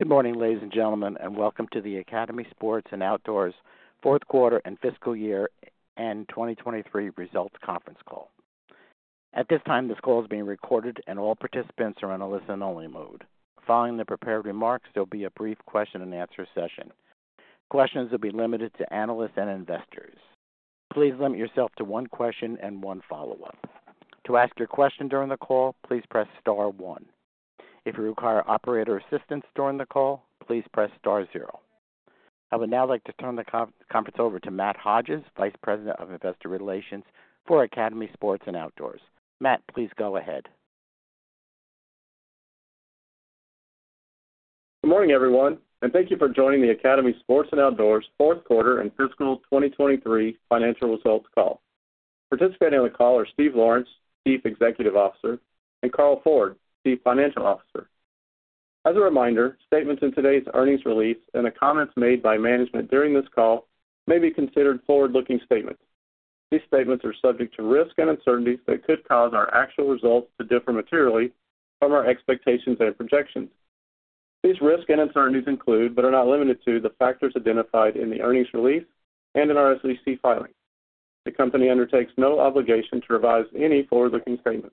Good morning, ladies and gentlemen, and welcome to the Academy Sports + Outdoors fourth quarter and fiscal year 2023 results conference call. At this time, this call is being recorded, and all participants are in a listen-only mode. Following the prepared remarks, there'll be a brief question and answer session. Questions will be limited to analysts and investors. Please limit yourself to one question and one follow-up. To ask your question during the call, please press star one. If you require operator assistance during the call, please press star zero. I would now like to turn the conference over to Matt Hodges, Vice President of Investor Relations for Academy Sports & Outdoors. Matt, please go ahead. Good morning, everyone, and thank you for joining the Academy Sports & Outdoors fourth quarter and fiscal 2023 financial results call. Participating on the call are Steve Lawrence, Chief Executive Officer, and Carl Ford, Chief Financial Officer. As a reminder, statements in today's earnings release and the comments made by management during this call may be considered forward-looking statements. These statements are subject to risks and uncertainties that could cause our actual results to differ materially from our expectations and projections. These risks and uncertainties include, but are not limited to, the factors identified in the earnings release and in our SEC filings. The company undertakes no obligation to revise any forward-looking statement.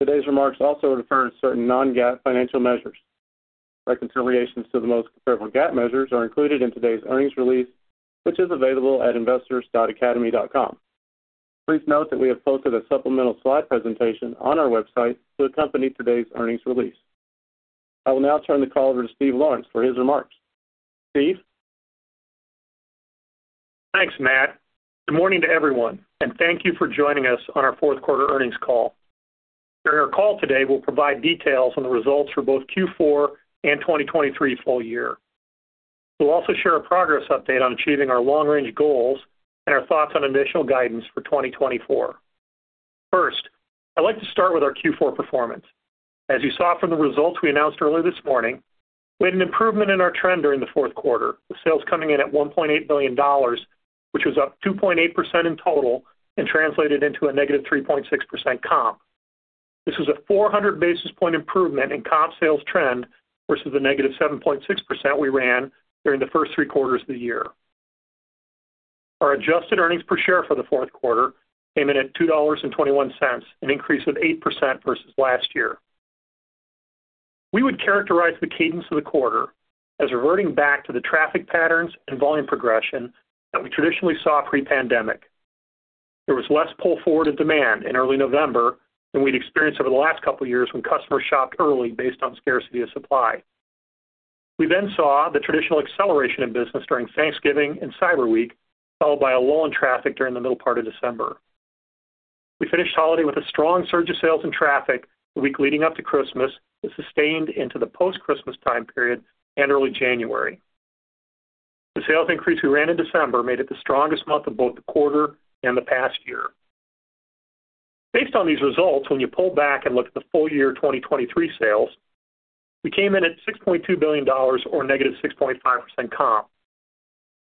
Today's remarks also refer to certain non-GAAP financial measures. Reconciliations to the most comparable GAAP measures are included in today's earnings release, which is available at investors.academy.com. Please note that we have posted a supplemental slide presentation on our website to accompany today's earnings release. I will now turn the call over to Steve Lawrence for his remarks. Steve? Thanks, Matt. Good morning to everyone, and thank you for joining us on our fourth quarter earnings call. During our call today, we'll provide details on the results for both Q4 and 2023 full year. We'll also share a progress update on achieving our long-range goals and our thoughts on additional guidance for 2024. First, I'd like to start with our Q4 performance. As you saw from the results we announced earlier this morning, we had an improvement in our trend during the fourth quarter, with sales coming in at $1.8 billion, which was up 2.8% in total and translated into a -3.6% comp. This was a 400 basis point improvement in comp sales trend versus the -7.6% we ran during the first three quarters of the year. Our adjusted earnings per share for the fourth quarter came in at $2.21, an increase of 8% versus last year. We would characterize the cadence of the quarter as reverting back to the traffic patterns and volume progression that we traditionally saw pre-pandemic. There was less pull forward of demand in early November than we'd experienced over the last couple of years when customers shopped early based on scarcity of supply. We then saw the traditional acceleration of business during Thanksgiving and Cyber Week, followed by a lull in traffic during the middle part of December. We finished holiday with a strong surge of sales and traffic the week leading up to Christmas, that sustained into the post-Christmas time period and early January. The sales increase we ran in December made it the strongest month of both the quarter and the past year. Based on these results, when you pull back and look at the full year 2023 sales, we came in at $6.2 billion or -6.5% comp.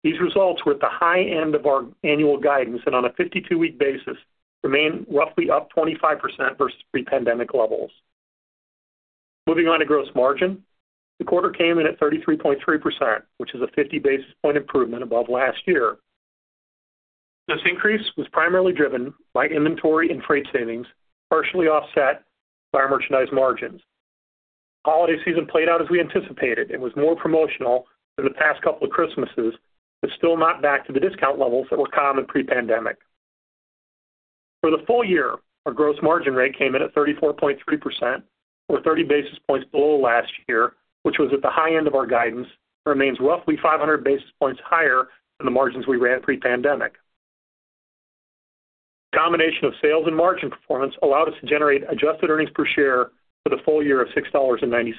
These results were at the high end of our annual guidance and on a 52-week basis, remain roughly up 25% versus pre-pandemic levels. Moving on to gross margin, the quarter came in at 33.3%, which is a 50 basis point improvement above last year. This increase was primarily driven by inventory and freight savings, partially offset by our merchandise margins. Holiday season played out as we anticipated and was more promotional than the past couple of Christmases, but still not back to the discount levels that were common pre-pandemic. For the full-year, our gross margin rate came in at 34.3% or 30 basis points below last year, which was at the high end of our guidance, remains roughly 500 basis points higher than the margins we ran pre-pandemic. Combination of sales and margin performance allowed us to generate adjusted earnings per share for the full-year of $6.96.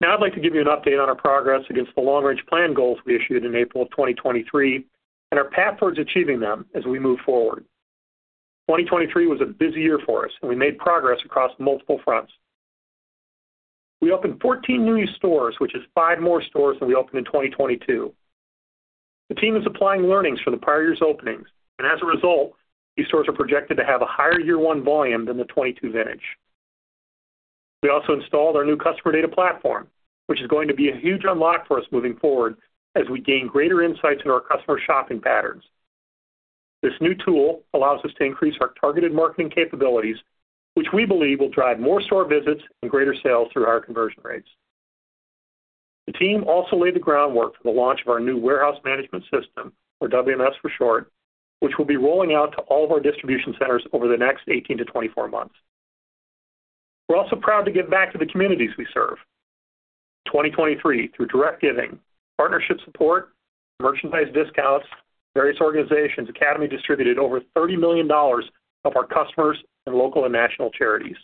Now, I'd like to give you an update on our progress against the long-range plan goals we issued in April 2023 and our path towards achieving them as we move forward. 2023 was a busy year for us, and we made progress across multiple fronts. We opened 14 new stores, which is 5 more stores than we opened in 2022. The team is applying learnings from the prior year's openings, and as a result, these stores are projected to have a higher year-one volume than the 2022 vintage. We also installed our new customer data platform, which is going to be a huge unlock for us moving forward as we gain greater insights into our customer shopping patterns. This new tool allows us to increase our targeted marketing capabilities, which we believe will drive more store visits and greater sales through our conversion rates. The team also laid the groundwork for the launch of our new warehouse management system, or WMS for short, which we'll be rolling out to all of our distribution centers over the next 18-24 months. We're also proud to give back to the communities we serve. 2023, through direct giving, partnership support, merchandise discounts, various organizations, Academy distributed over $30 million to our customers and local and national charities.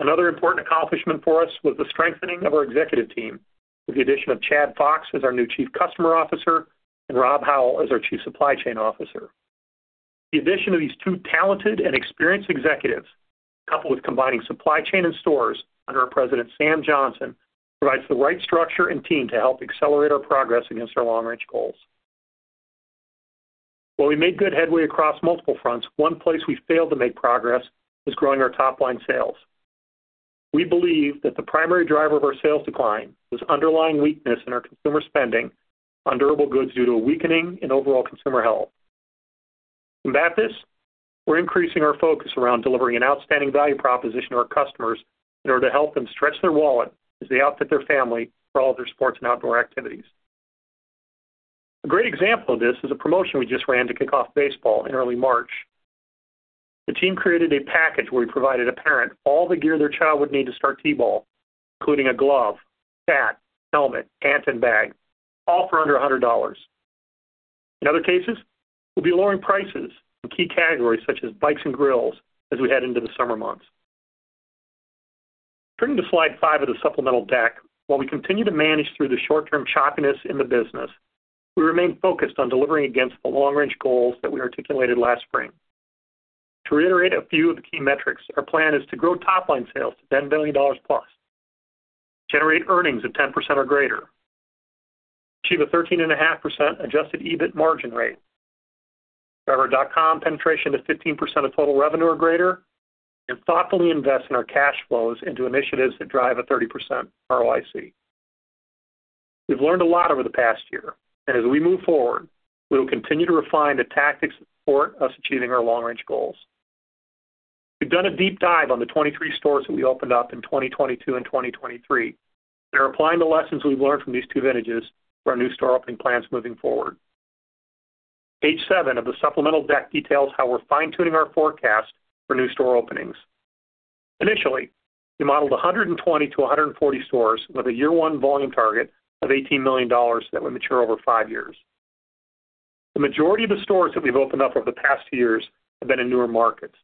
Another important accomplishment for us was the strengthening of our executive team with the addition of Chad Fox as our new Chief Customer Officer and Rob Howell as our Chief Supply Chain Officer. The addition of these two talented and experienced executives, coupled with combining supply chain and stores under our president, Sam Johnson, provides the right structure and team to help accelerate our progress against our long-range goals. While we made good headway across multiple fronts, one place we failed to make progress was growing our top-line sales. We believe that the primary driver of our sales decline was underlying weakness in our consumer spending on durable goods due to a weakening in overall consumer health. To combat this, we're increasing our focus around delivering an outstanding value proposition to our customers in order to help them stretch their wallet as they outfit their family for all their sports and outdoor activities. A great example of this is a promotion we just ran to kick off baseball in early March. The team created a package where we provided a parent all the gear their child would need to start T-ball, including a glove, bat, helmet, pants, and bag, all for under $100. In other cases, we'll be lowering prices in key categories, such as bikes and grills, as we head into the summer months. Turning to slide 5 of the supplemental deck, while we continue to manage through the short-term choppiness in the business, we remain focused on delivering against the long-range goals that we articulated last spring. To reiterate a few of the key metrics, our plan is to grow top-line sales to $10 billion+, generate earnings of 10% or greater, achieve a 13.5% adjusted EBIT margin rate, drive our dot-com penetration to 15% of total revenue or greater, and thoughtfully invest in our cash flows into initiatives that drive a 30% ROIC. We've learned a lot over the past year, and as we move forward, we will continue to refine the tactics to support us achieving our long-range goals. We've done a deep dive on the 23 stores that we opened up in 2022 and 2023, and are applying the lessons we've learned from these two vintages for our new store opening plans moving forward. Page 7 of the supplemental deck details how we're fine-tuning our forecast for new store openings. Initially, we modeled 120-140 stores with a year one volume target of $18 million that would mature over 5 years. The majority of the stores that we've opened up over the past years have been in newer markets.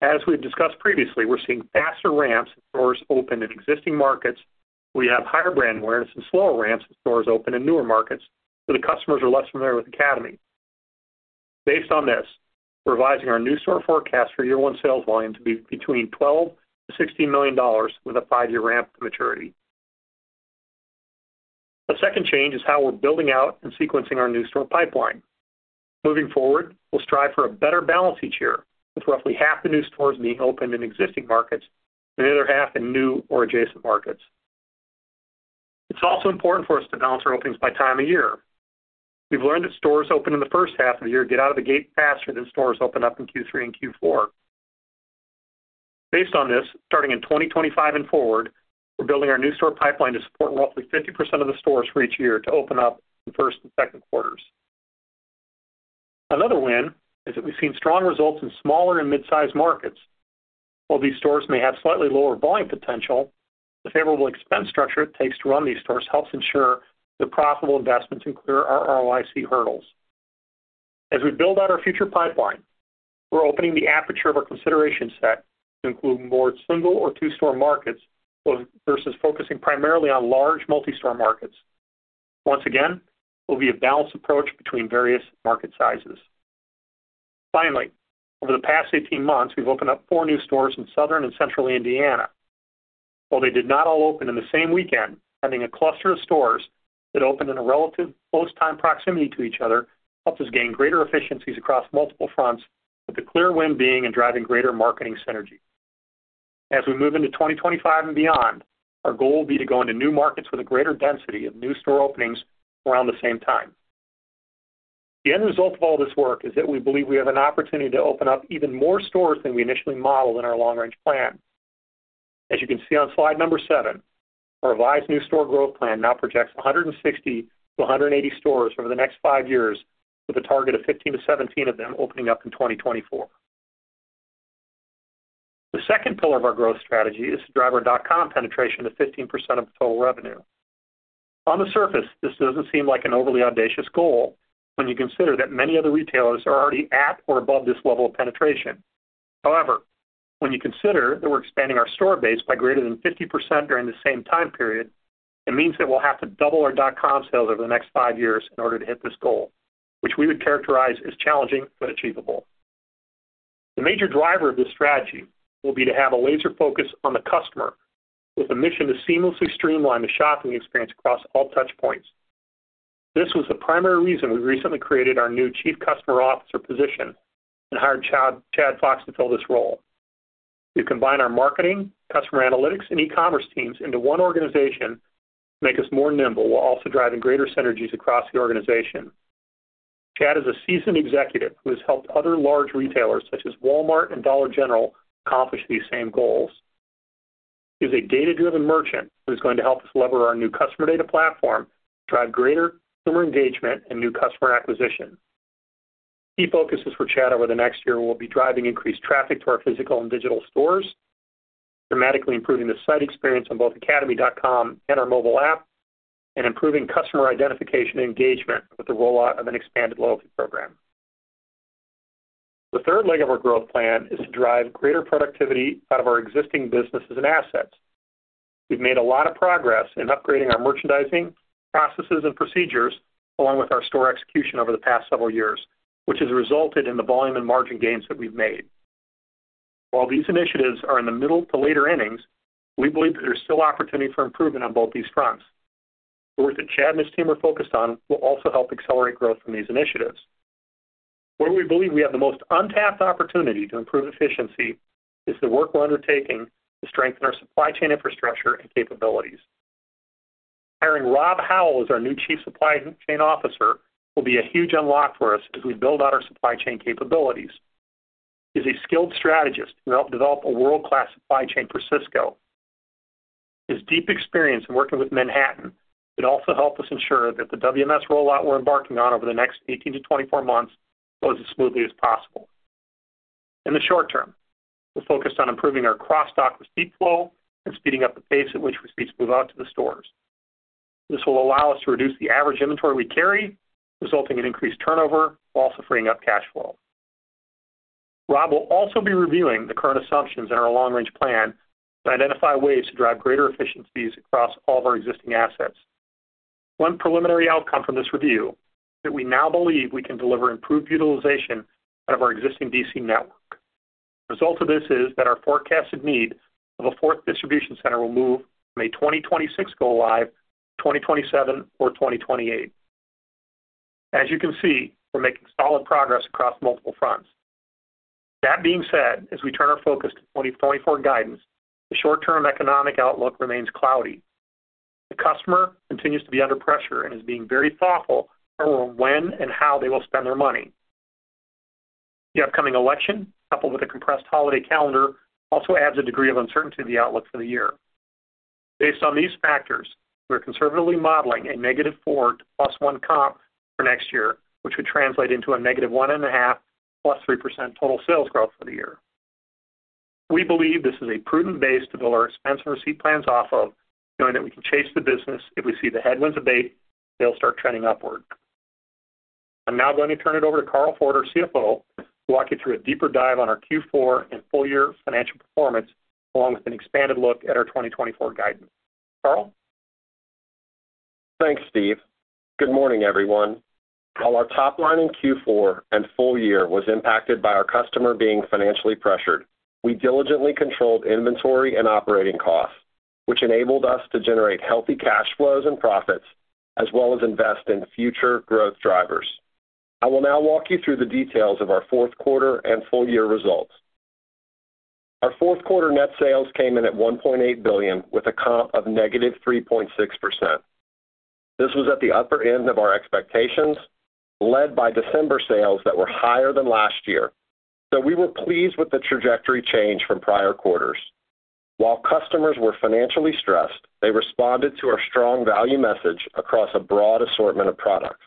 As we've discussed previously, we're seeing faster ramps as stores open in existing markets, where we have higher brand awareness and slower ramps as stores open in newer markets, where the customers are less familiar with Academy. Based on this, we're revising our new store forecast for year one sales volume to be between $12-$16 million with a 5-year ramp to maturity. The second change is how we're building out and sequencing our new store pipeline. Moving forward, we'll strive for a better balance each year, with roughly half the new stores being opened in existing markets and the other half in new or adjacent markets. It's also important for us to balance our openings by time of year. We've learned that stores open in the first half of the year, get out of the gate faster than stores open up in Q3 and Q4. Based on this, starting in 2025 and forward, we're building our new store pipeline to support roughly 50% of the stores for each year to open up in first and second quarters. Another win is that we've seen strong results in smaller and mid-sized markets. While these stores may have slightly lower volume potential, the favorable expense structure it takes to run these stores helps ensure they're profitable investments and clear our ROIC hurdles. As we build out our future pipeline, we're opening the aperture of our consideration set to include more single or 2-store markets, versus focusing primarily on large multi-store markets. Once again, it will be a balanced approach between various market sizes. Finally, over the past 18 months, we've opened up 4 new stores in Southern and Central Indiana. While they did not all open in the same weekend, having a cluster of stores that opened in a relative close time proximity to each other helped us gain greater efficiencies across multiple fronts, with the clear win being in driving greater marketing synergy. As we move into 2025 and beyond, our goal will be to go into new markets with a greater density of new store openings around the same time. The end result of all this work is that we believe we have an opportunity to open up even more stores than we initially modeled in our long-range plan. As you can see on slide number 7, our revised new store growth plan now projects 160-180 stores over the next 5 years, with a target of 15-17 of them opening up in 2024. The second pillar of our growth strategy is to drive our dot-com penetration to 15% of total revenue. On the surface, this doesn't seem like an overly audacious goal when you consider that many other retailers are already at or above this level of penetration. However, when you consider that we're expanding our store base by greater than 50% during the same time period, it means that we'll have to double our dot-com sales over the next 5 years in order to hit this goal, which we would characterize as challenging but achievable. The major driver of this strategy will be to have a laser focus on the customer, with a mission to seamlessly streamline the shopping experience across all touch points. This was the primary reason we recently created our new Chief Customer Officer position and hired Chad, Chad Fox, to fill this role. We've combined our marketing, customer analytics, and e-commerce teams into one organization to make us more nimble while also driving greater synergies across the organization. Chad is a seasoned executive who has helped other large retailers, such as Walmart and Dollar General, accomplish these same goals. He's a data-driven merchant who's going to help us lever our new customer data platform to drive greater customer engagement and new customer acquisition. Key focuses for Chad over the next year will be driving increased traffic to our physical and digital stores, dramatically improving the site experience on both academy.com and our mobile app, and improving customer identification and engagement with the rollout of an expanded loyalty program. The third leg of our growth plan is to drive greater productivity out of our existing businesses and assets. We've made a lot of progress in upgrading our merchandising, processes, and procedures, along with our store execution over the past several years, which has resulted in the volume and margin gains that we've made. While these initiatives are in the middle to later innings, we believe that there's still opportunity for improvement on both these fronts. The work that Chad and his team are focused on will also help accelerate growth from these initiatives. Where we believe we have the most untapped opportunity to improve efficiency is the work we're undertaking to strengthen our supply chain infrastructure and capabilities. Hiring Rob Howell as our new Chief Supply Chain Officer will be a huge unlock for us as we build out our supply chain capabilities. He's a skilled strategist to help develop a world-class supply chain for Sysco. His deep experience in working with Manhattan should also help us ensure that the WMS rollout we're embarking on over the next 18-24 months goes as smoothly as possible. In the short term, we're focused on improving our cross-dock receipt flow and speeding up the pace at which receipts move out to the stores. This will allow us to reduce the average inventory we carry, resulting in increased turnover, while also freeing up cash flow. Rob will also be reviewing the current assumptions in our long-range plan to identify ways to drive greater efficiencies across all of our existing assets. One preliminary outcome from this review is that we now believe we can deliver improved utilization out of our existing DC network. The result of this is that our forecasted need of a fourth distribution center will move from a 2026 go-live to 2027 or 2028. As you can see, we're making solid progress across multiple fronts. That being said, as we turn our focus to 2024 guidance, the short-term economic outlook remains cloudy. The customer continues to be under pressure and is being very thoughtful over when and how they will spend their money. The upcoming election, coupled with a compressed holiday calendar, also adds a degree of uncertainty to the outlook for the year. Based on these factors, we're conservatively modeling a -4 to +1 comp for next year, which would translate into a -1.5% to +3% total sales growth for the year. We believe this is a prudent base to build our expense and receipt plans off of, knowing that we can chase the business if we see the headwinds abate, they'll start trending upward. I'm now going to turn it over to Carl Ford, our CFO, to walk you through a deeper dive on our Q4 and full-year financial performance, along with an expanded look at our 2024 guidance. Carl? Thanks, Steve. Good morning, everyone. While our top line in Q4 and full year was impacted by our customer being financially pressured, we diligently controlled inventory and operating costs, which enabled us to generate healthy cash flows and profits, as well as invest in future growth drivers. I will now walk you through the details of our fourth quarter and full-year results. Our fourth quarter net sales came in at $1.8 billion, with a comp of -3.6%. This was at the upper end of our expectations, led by December sales that were higher than last year. So we were pleased with the trajectory change from prior quarters. While customers were financially stressed, they responded to our strong value message across a broad assortment of products.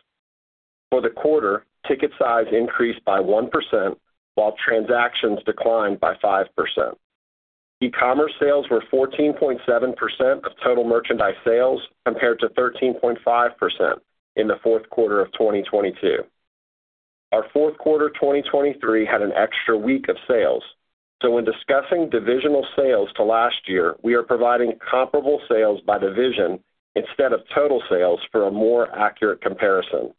For the quarter, ticket size increased by 1%, while transactions declined by 5%. E-commerce sales were 14.7% of total merchandise sales, compared to 13.5% in the fourth quarter of 2022. Our fourth quarter 2023 had an extra week of sales. So when discussing divisional sales to last year, we are providing comparable sales by division instead of total sales for a more accurate comparison.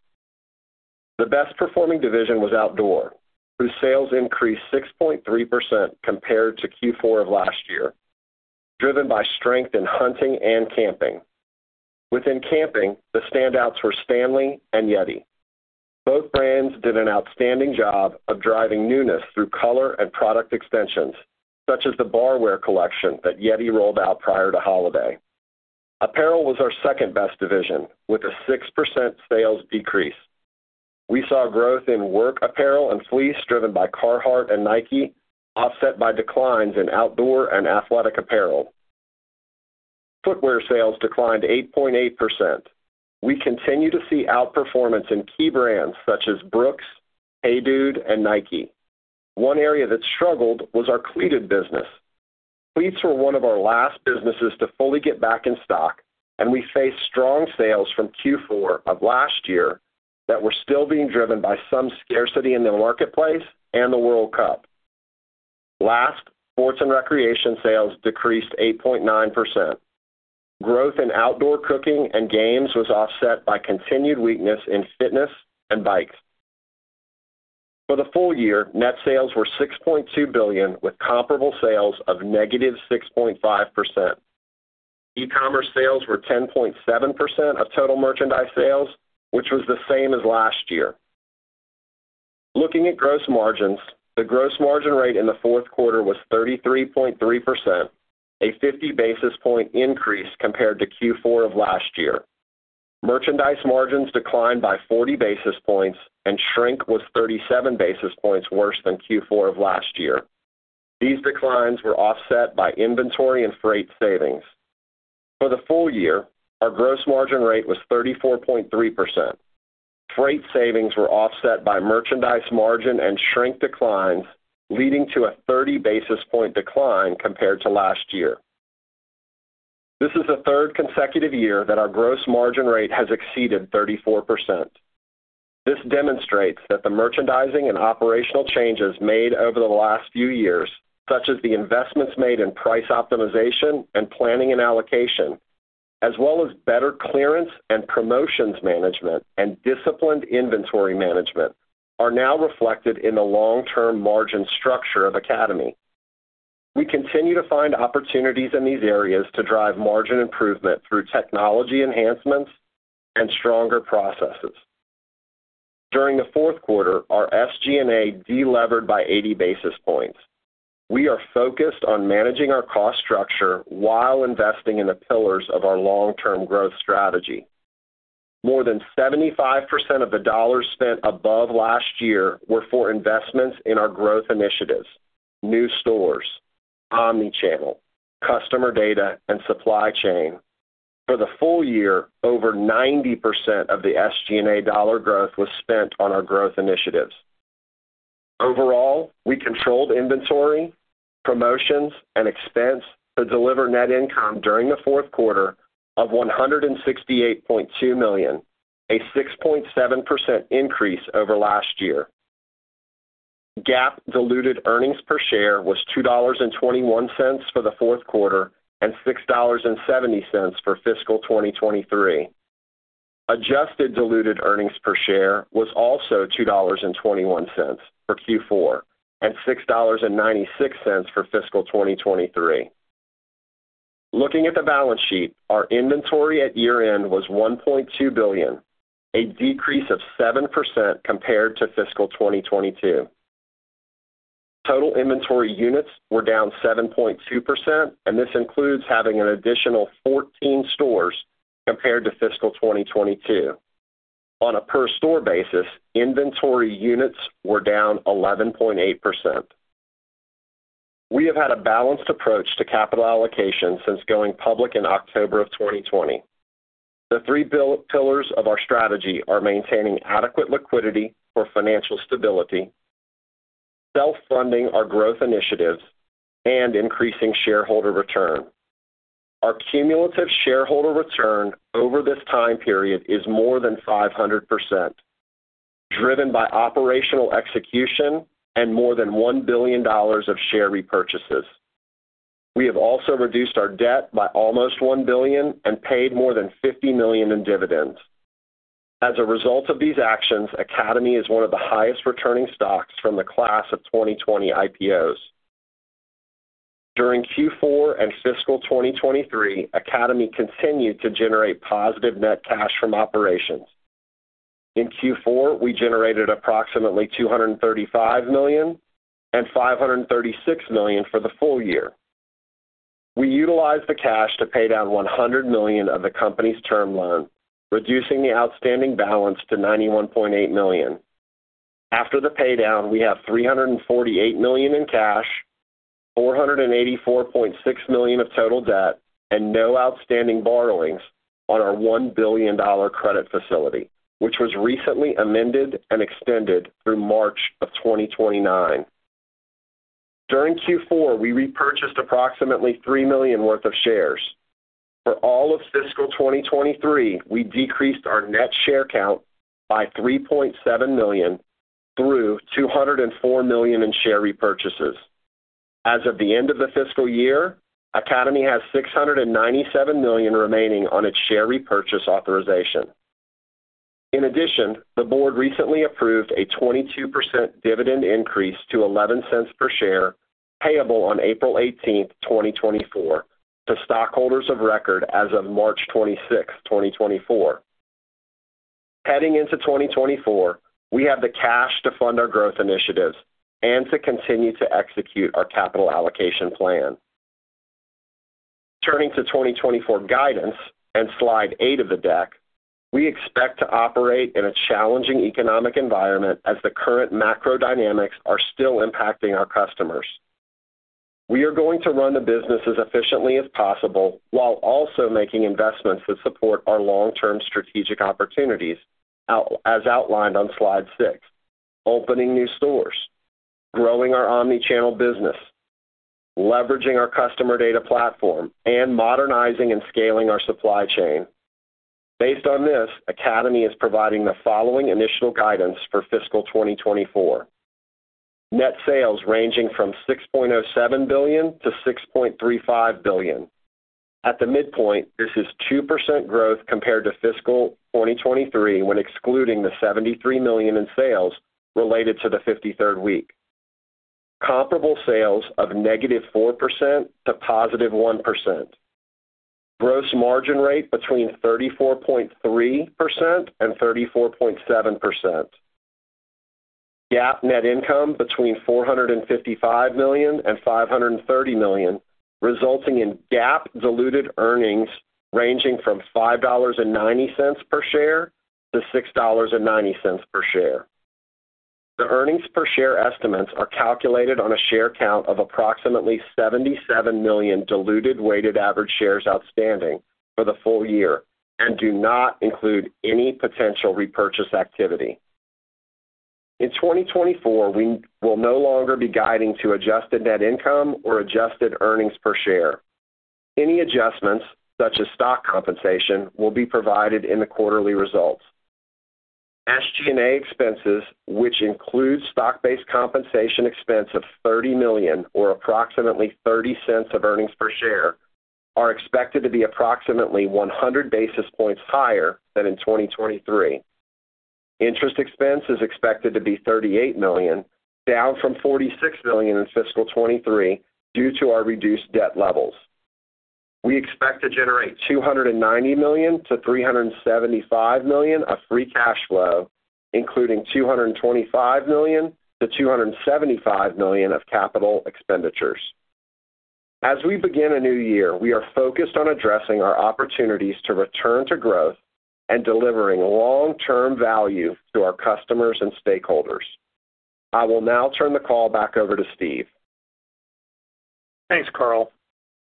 The best performing division was Outdoor, whose sales increased 6.3% compared to Q4 of last year, driven by strength in hunting and camping. Within camping, the standouts were Stanley and Yeti. Both brands did an outstanding job of driving newness through color and product extensions, such as the barware collection that Yeti rolled out prior to holiday. Apparel was our second-best division, with a 6% sales decrease. We saw growth in work apparel and fleece, driven by Carhartt and Nike, offset by declines in outdoor and athletic apparel. Footwear sales declined 8.8%. We continue to see outperformance in key brands such as Brooks, Hey Dude, and Nike. One area that struggled was our cleated business. Cleats were one of our last businesses to fully get back in stock, and we faced strong sales from Q4 of last year that were still being driven by some scarcity in the marketplace and the World Cup. Last, sports and recreation sales decreased 8.9%. Growth in outdoor cooking and games was offset by continued weakness in fitness and bikes. For the full-year, net sales were $6.2 billion, with comparable sales of -6.5%. E-commerce sales were 10.7% of total merchandise sales, which was the same as last year. Looking at gross margins, the gross margin rate in the fourth quarter was 33.3%, a 50 basis point increase compared to Q4 of last year. Merchandise margins declined by 40 basis points, and shrink was 37 basis points worse than Q4 of last year. These declines were offset by inventory and freight savings. For the full-year, our gross margin rate was 34.3%. Freight savings were offset by merchandise margin and shrink declines, leading to a 30 basis point decline compared to last year. This is the third consecutive year that our gross margin rate has exceeded 34%. This demonstrates that the merchandising and operational changes made over the last few years, such as the investments made in price optimization and planning and allocation,... as well as better clearance and promotions management and disciplined inventory management are now reflected in the long-term margin structure of Academy. We continue to find opportunities in these areas to drive margin improvement through technology enhancements and stronger processes. During the fourth quarter, our SG&A deleveraged by 80 basis points. We are focused on managing our cost structure while investing in the pillars of our long-term growth strategy. More than 75% of the dollars spent above last year were for investments in our growth initiatives, new stores, omnichannel, customer data, and supply chain. For the full-year, over 90% of the SG&A dollar growth was spent on our growth initiatives. Overall, we controlled inventory, promotions, and expense to deliver net income during the fourth quarter of $168.2 million, a 6.7% increase over last year. GAAP diluted earnings per share was $2.21 for the fourth quarter and $6.70 for fiscal 2023. Adjusted diluted earnings per share was also $2.21 for Q4 and $6.96 for fiscal 2023. Looking at the balance sheet, our inventory at year-end was $1.2 billion, a decrease of 7% compared to fiscal 2022. Total inventory units were down 7.2%, and this includes having an additional 14 stores compared to fiscal 2022. On a per-store basis, inventory units were down 11.8%. We have had a balanced approach to capital allocation since going public in October 2020. The three pillars of our strategy are maintaining adequate liquidity for financial stability, self-funding our growth initiatives, and increasing shareholder return. Our cumulative shareholder return over this time period is more than 500%, driven by operational execution and more than $1 billion of share repurchases. We have also reduced our debt by almost $1 billion and paid more than $50 million in dividends. As a result of these actions, Academy is one of the highest-returning stocks from the class of 2020 IPOs. During Q4 and fiscal 2023, Academy continued to generate positive net cash from operations. In Q4, we generated approximately $235 million and $536 million for the full year. We utilized the cash to pay down $100 million of the company's term loan, reducing the outstanding balance to $91.8 million. After the paydown, we have $348 million in cash, $484.6 million of total debt, and no outstanding borrowings on our $1 billion credit facility, which was recently amended and extended through March of 2029. During Q4, we repurchased approximately $3 million worth of shares. For all of fiscal 2023, we decreased our net share count by 3.7 million through $204 million in share repurchases. As of the end of the fiscal year, Academy has $697 million remaining on its share repurchase authorization. In addition, the board recently approved a 22% dividend increase to $0.11 per share, payable on April 18, 2024, to stockholders of record as of March 26, 2024. Heading into 2024, we have the cash to fund our growth initiatives and to continue to execute our capital allocation plan. Turning to 2024 guidance and slide 8 of the deck, we expect to operate in a challenging economic environment as the current macro dynamics are still impacting our customers. We are going to run the business as efficiently as possible while also making investments that support our long-term strategic opportunities, as outlined on slide 6, opening new stores, growing our omnichannel business, leveraging our customer data platform, and modernizing and scaling our supply chain. Based on this, Academy is providing the following initial guidance for fiscal 2024. Net sales ranging from $6.07 billion to $6.35 billion. At the midpoint, this is 2% growth compared to fiscal 2023, when excluding the $73 million in sales related to the 53rd week. Comparable sales of -4% to +1%. Gross margin rate between 34.3% and 34.7%. GAAP net income between $455 million and $530 million, resulting in GAAP diluted earnings ranging from $5.90 per share to $6.90 per share. The earnings per share estimates are calculated on a share count of approximately 77 million diluted weighted average shares outstanding for the full-year and do not include any potential repurchase activity. In 2024, we will no longer be guiding to adjusted net income or adjusted earnings per share. Any adjustments, such as stock compensation, will be provided in the quarterly results. SG&A expenses, which includes stock-based compensation expense of $30 million, or approximately $0.30 of earnings per share, are expected to be approximately 100 basis points higher than in 2023. Interest expense is expected to be $38 million, down from $46 million in fiscal 2023 due to our reduced debt levels. We expect to generate $290 million-$375 million of free cash flow, including $225 million-$275 million of capital expenditures. As we begin a new year, we are focused on addressing our opportunities to return to growth and delivering long-term value to our customers and stakeholders. I will now turn the call back over to Steve. Thanks, Carl.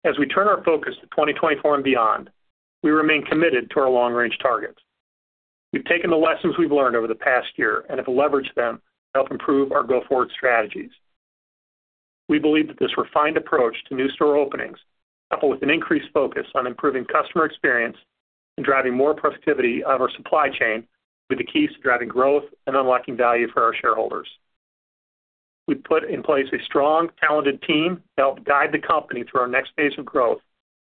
As we turn our focus to 2024 and beyond, we remain committed to our long-range targets. We've taken the lessons we've learned over the past year and have leveraged them to help improve our go-forward strategies. We believe that this refined approach to new store openings, coupled with an increased focus on improving customer experience and driving more productivity out of our supply chain, will be the keys to driving growth and unlocking value for our shareholders. We've put in place a strong, talented team to help guide the company through our next phase of growth,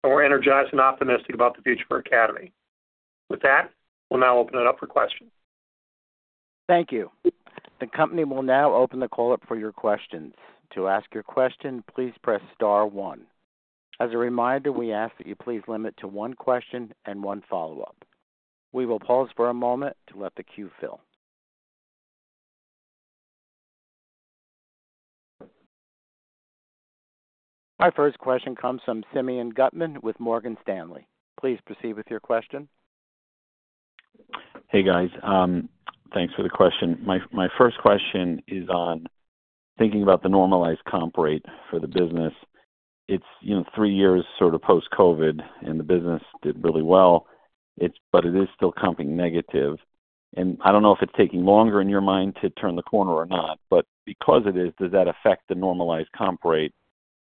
and we're energized and optimistic about the future for Academy. With that, we'll now open it up for questions. Thank you. The company will now open the call up for your questions. To ask your question, please press star one. As a reminder, we ask that you please limit to one question and one follow-up. We will pause for a moment to let the queue fill. Our first question comes from Simeon Gutman with Morgan Stanley. Please proceed with your question. Hey, guys. Thanks for the question. My first question is on thinking about the normalized comp rate for the business. It's, you know, 3 years sort of post-COVID, and the business did really well. It, but it is still comping negative. And I don't know if it's taking longer in your mind to turn the corner or not, but because it is, does that affect the normalized comp rate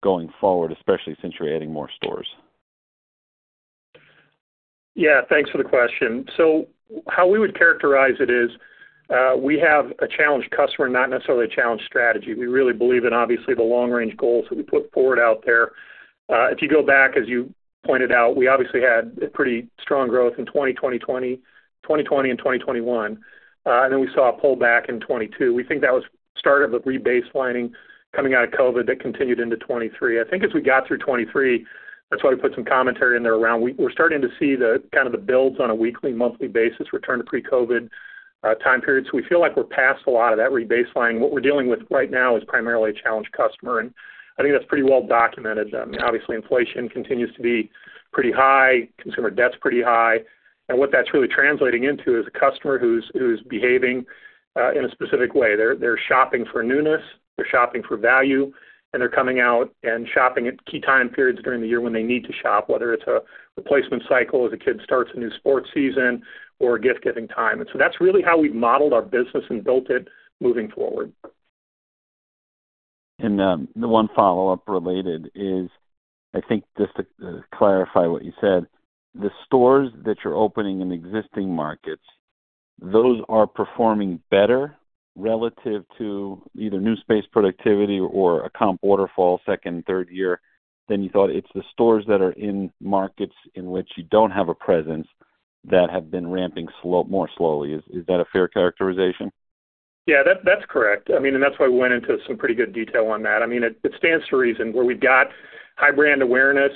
going forward, especially since you're adding more stores? Yeah, thanks for the question. So how we would characterize it is, we have a challenged customer, not necessarily a challenged strategy. We really believe in, obviously, the long-range goals that we put forward out there. If you go back, as you pointed out, we obviously had a pretty strong growth in 2020 and 2021. And then we saw a pullback in 2022. We think that was start of the rebaselining coming out of COVID that continued into 2023. I think as we got through 2023, that's why we put some commentary in there around, we're starting to see the kind of the builds on a weekly, monthly basis return to pre-COVID time periods. We feel like we're past a lot of that rebaseline. What we're dealing with right now is primarily a challenged customer, and I think that's pretty well documented. I mean, obviously, inflation continues to be pretty high, consumer debt's pretty high. And what that's really translating into is a customer who's behaving in a specific way. They're shopping for newness, they're shopping for value, and they're coming out and shopping at key time periods during the year when they need to shop, whether it's a replacement cycle, as a kid starts a new sports season or gift-giving time. And so that's really how we've modeled our business and built it moving forward. The one follow-up related is, I think, just to clarify what you said, the stores that you're opening in existing markets, those are performing better relative to either new space productivity or a comp waterfall, second, and third year than you thought. It's the stores that are in markets in which you don't have a presence that have been ramping more slowly. Is that a fair characterization? Yeah, that, that's correct. I mean, and that's why we went into some pretty good detail on that. I mean, it stands to reason, where we've got high brand awareness,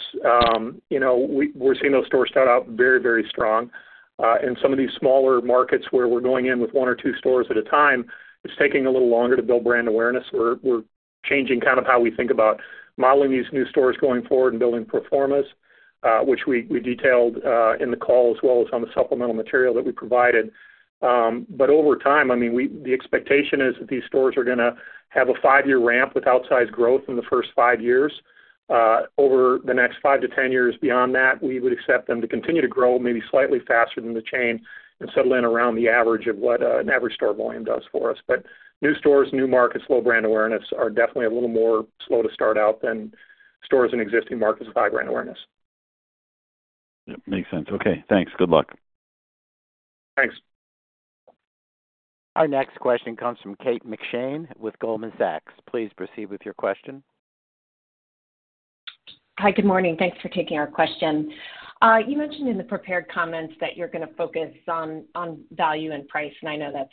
you know, we're seeing those stores start out very, very strong. In some of these smaller markets where we're going in with one or two stores at a time, it's taking a little longer to build brand awareness. We're changing kind of how we think about modeling these new stores going forward and building pro formas, which we detailed in the call, as well as on the supplemental material that we provided. But over time, I mean, the expectation is that these stores are gonna have a five-year ramp with outsized growth in the first 5 years. Over the next 5-10 years beyond that, we would accept them to continue to grow maybe slightly faster than the chain and settle in around the average of what an average store volume does for us. But new stores, new markets, low brand awareness are definitely a little more slow to start out than stores in existing markets with high brand awareness. Yep, makes sense. Okay, thanks. Good luck. Thanks. Our next question comes from Kate McShane with Goldman Sachs. Please proceed with your question. Hi, good morning. Thanks for taking our question. You mentioned in the prepared comments that you're gonna focus on value and price, and I know that's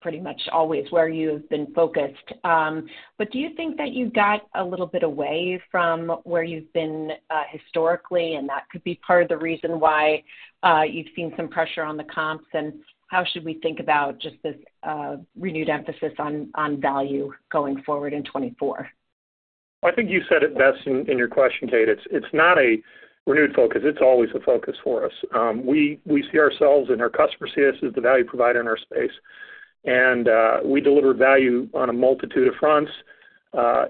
pretty much always where you've been focused. But do you think that you got a little bit away from where you've been historically, and that could be part of the reason why you've seen some pressure on the comps? And how should we think about just this renewed emphasis on value going forward in 2024? I think you said it best in your question, Kate. It's not a renewed focus. It's always a focus for us. We see ourselves and our customers see us as the value provider in our space. And we deliver value on a multitude of fronts.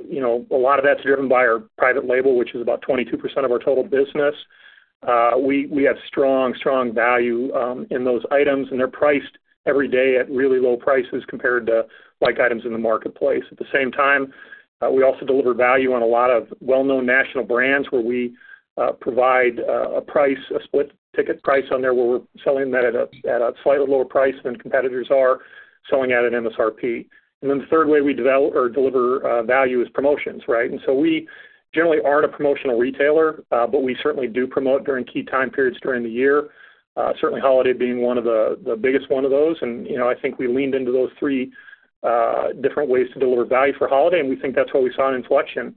You know, a lot of that's driven by our private label, which is about 22% of our total business. We have strong, strong value in those items, and they're priced every day at really low prices compared to like items in the marketplace. At the same time, we also deliver value on a lot of well-known national brands, where we provide a split ticket price on there, where we're selling that at a slightly lower price than competitors are selling at an MSRP. And then the third way we develop or deliver value is promotions, right? And so we generally aren't a promotional retailer, but we certainly do promote during key time periods during the year. Certainly holiday being one of the biggest one of those. And, you know, I think we leaned into those three different ways to deliver value for holiday, and we think that's what we saw in inflection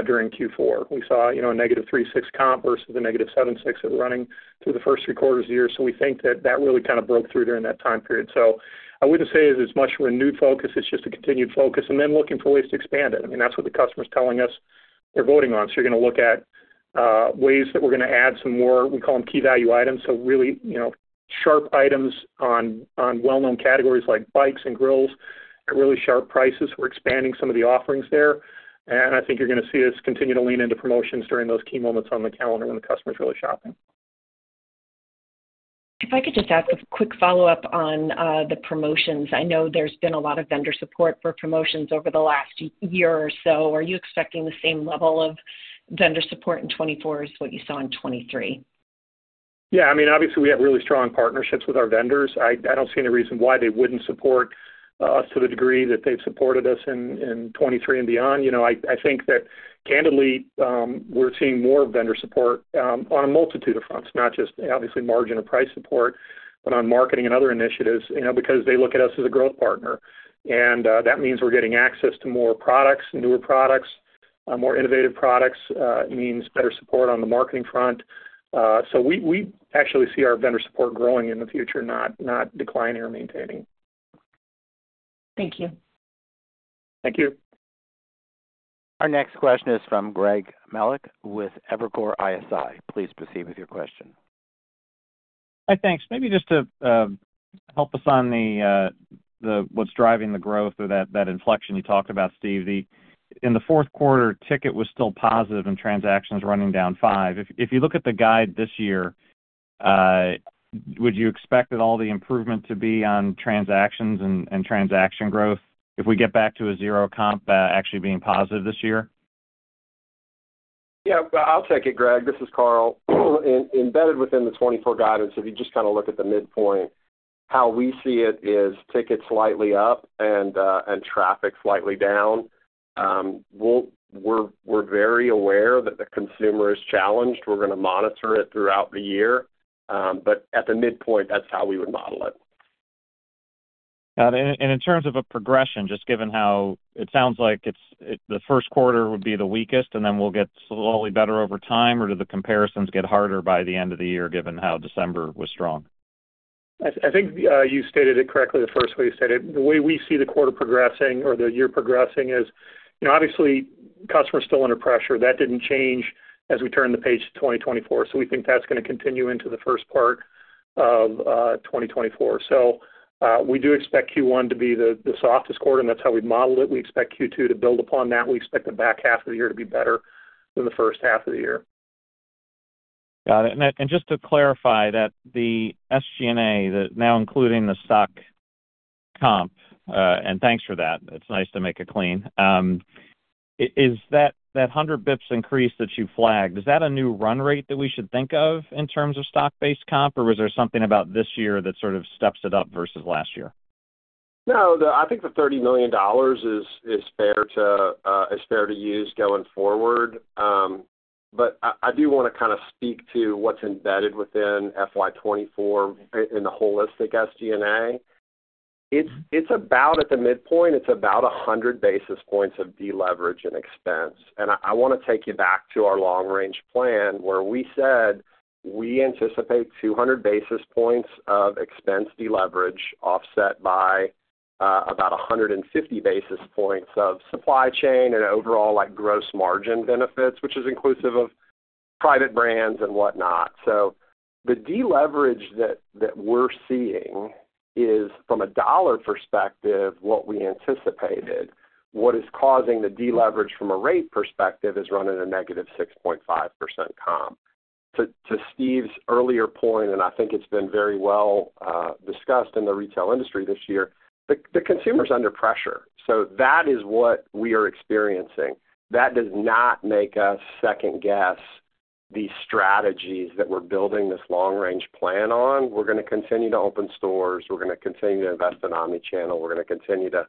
during Q4. We saw, you know, a negative 3.6 comp versus the negative 7.6 that were running through the first 3 quarters of the year. So we think that that really kind of broke through during that time period. So I wouldn't say it's as much of a new focus, it's just a continued focus, and then looking for ways to expand it. I mean, that's what the customer's telling us they're voting on. So you're gonna look at ways that we're gonna add some more, we call them key value items. So really, you know, sharp items on well-known categories like bikes and grills at really sharp prices. We're expanding some of the offerings there, and I think you're gonna see us continue to lean into promotions during those key moments on the calendar when the customer's really shopping. If I could just ask a quick follow-up on the promotions. I know there's been a lot of vendor support for promotions over the last year or so. Are you expecting the same level of vendor support in 2024 as what you saw in 2023? Yeah, I mean, obviously, we have really strong partnerships with our vendors. I don't see any reason why they wouldn't support us to the degree that they've supported us in 2023 and beyond. You know, I think that, candidly, we're seeing more vendor support on a multitude of fronts, not just obviously margin or price support, but on marketing and other initiatives, you know, because they look at us as a growth partner. And, that means we're getting access to more products, newer products, more innovative products, it means better support on the marketing front. So we actually see our vendor support growing in the future, not declining or maintaining. Thank you. Thank you. Our next question is from Greg Melich with Evercore ISI. Please proceed with your question. Hi, thanks. Maybe just to help us on what's driving the growth or that inflection you talked about, Steve. In the fourth quarter, ticket was still positive and transactions running down 5. If you look at the guide this year, would you expect that all the improvement to be on transactions and transaction growth if we get back to a 0 comp, actually being positive this year? Yeah, I'll take it, Greg. This is Carl. Embedded within the 2024 guidance, if you just kind of look at the midpoint, how we see it is tickets slightly up and traffic slightly down. We're very aware that the consumer is challenged. We're gonna monitor it throughout the year, but at the midpoint, that's how we would model it. Got it. And in terms of a progression, just given how it sounds like it's the first quarter would be the weakest, and then we'll get slowly better over time, or do the comparisons get harder by the end of the year, given how December was strong? I think you stated it correctly, the first way you said it. The way we see the quarter progressing or the year progressing is, you know, obviously, customers are still under pressure. That didn't change as we turned the page to 2024, so we think that's gonna continue into the first part of 2024. So, we do expect Q1 to be the softest quarter, and that's how we've modeled it. We expect Q2 to build upon that. We expect the back half of the year to be better than the H1 of the year. Got it. And just to clarify that the SG&A, now including the stock comp, and thanks for that, it's nice to make it clean. Is that 100 basis points increase that you flagged, is that a new run rate that we should think of in terms of stock-based comp, or was there something about this year that sort of steps it up versus last year? No, I think the $30 million is fair to use going forward. But I do wanna kind of speak to what's embedded within FY 2024 in the holistic SG&A. It's about, at the midpoint, about 100 basis points of deleverage and expense. And I wanna take you back to our long-range plan, where we said we anticipate 200 basis points of expense deleverage, offset by about 150 basis points of supply chain and overall, like, gross margin benefits, which is inclusive of private brands and whatnot. So the deleverage that we're seeing is, from a dollar perspective, what we anticipated. What is causing the deleverage from a rate perspective is running a negative 6.5% comp. To Steve's earlier point, and I think it's been very well discussed in the retail industry this year, the consumer's under pressure, so that is what we are experiencing. That does not make us second-guess the strategies that we're building this long-range plan on. We're gonna continue to open stores, we're gonna continue to invest in omnichannel, we're gonna continue to,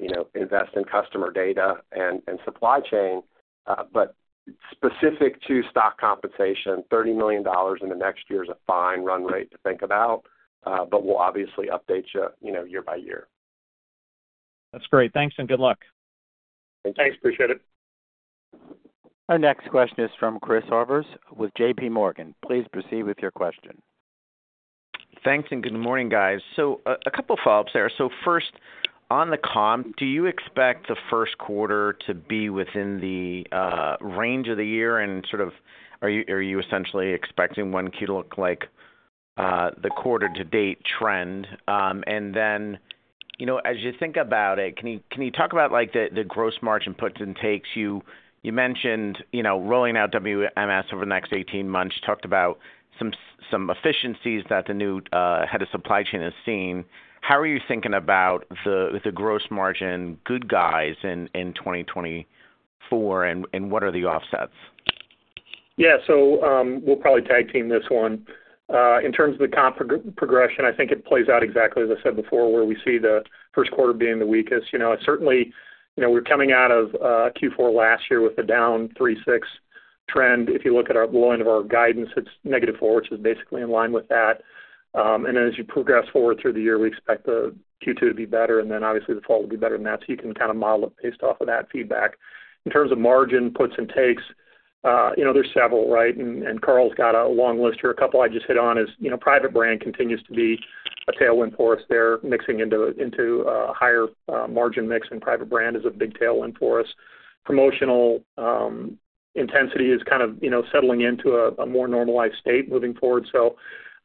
you know, invest in customer data and supply chain. But specific to stock compensation, $30 million in the next year is a fine run rate to think about, but we'll obviously update you, you know, year-by-year. That's great. Thanks, and good luck. Thanks. Appreciate it. Our next question is from Chris Horvers with JP Morgan. Please proceed with your question. Thanks, and good morning, guys. So a couple follow-ups there. So first, on the comp, do you expect the H1 to be within the range of the year, and sort of, are you, are you essentially expecting Q1 to look like the quarter-to-date trend? And then, you know, as you think about it, can you, can you talk about, like, the, the gross margin puts and takes? You, you mentioned, you know, rolling out WMS over the next 18 months. You talked about some, some efficiencies that the new head of supply chain has seen. How are you thinking about the, the gross margin good guys in 2024, and, and what are the offsets? Yeah, so, we'll probably tag team this one. In terms of the comp progression, I think it plays out exactly as I said before, where we see the first quarter being the weakest. You know, certainly, you know, we're coming out of Q4 last year with a down 3.6% trend. If you look at our low end of our guidance, it's -4%, which is basically in line with that. And then as you progress forward through the year, we expect the Q2 to be better, and then obviously, the fall will be better than that. So you can kind of model it based off of that feedback. In terms of margin puts and takes, you know, there's several, right? And Carl's got a long list here. A couple I just hit on is, you know, private brand continues to be a tailwind for us there, mixing into a higher margin mix, and private brand is a big tailwind for us. Promotional intensity is kind of, you know, settling into a more normalized state moving forward. So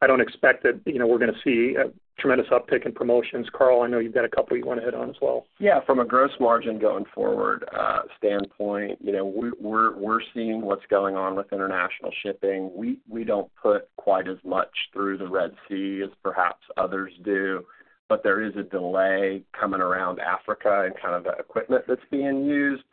I don't expect that, you know, we're gonna see a tremendous uptick in promotions. Carl, I know you've got a couple you want to hit on as well. Yeah. From a Gross Margin going forward standpoint, you know, we're seeing what's going on with international shipping. We don't put quite as much through the Red Sea as perhaps others do, but there is a delay coming around Africa and kind of the equipment that's being used.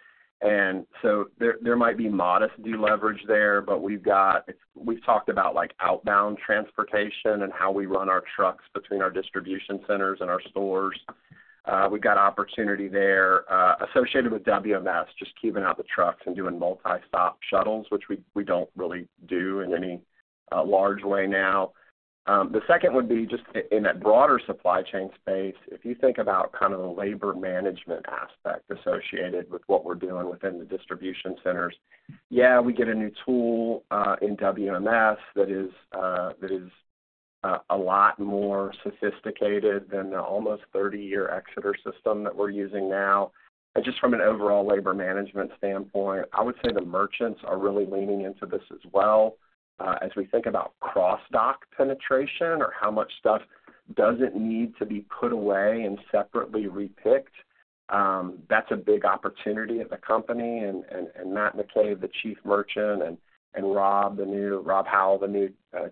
And so there might be modest deleverage there, but we've got. We've talked about, like, outbound transportation and how we run our trucks between our distribution centers and our stores. We've got opportunity there associated with WMS, just keeping out the trucks and doing multi-stop shuttles, which we don't really do in any large way now. The second would be just in that broader supply chain space, if you think about kind of the labor management aspect associated with what we're doing within the distribution centers. Yeah, we get a new tool in WMS that is a lot more sophisticated than the almost 30-year Exeter system that we're using now. And just from an overall labor management standpoint, I would say the merchants are really leaning into this as well. As we think about cross-stock penetration or how much stuff doesn't need to be put away and separately re-picked, that's a big opportunity at the company. And Matt McCabe, the Chief Merchant, and Rob Howell, the new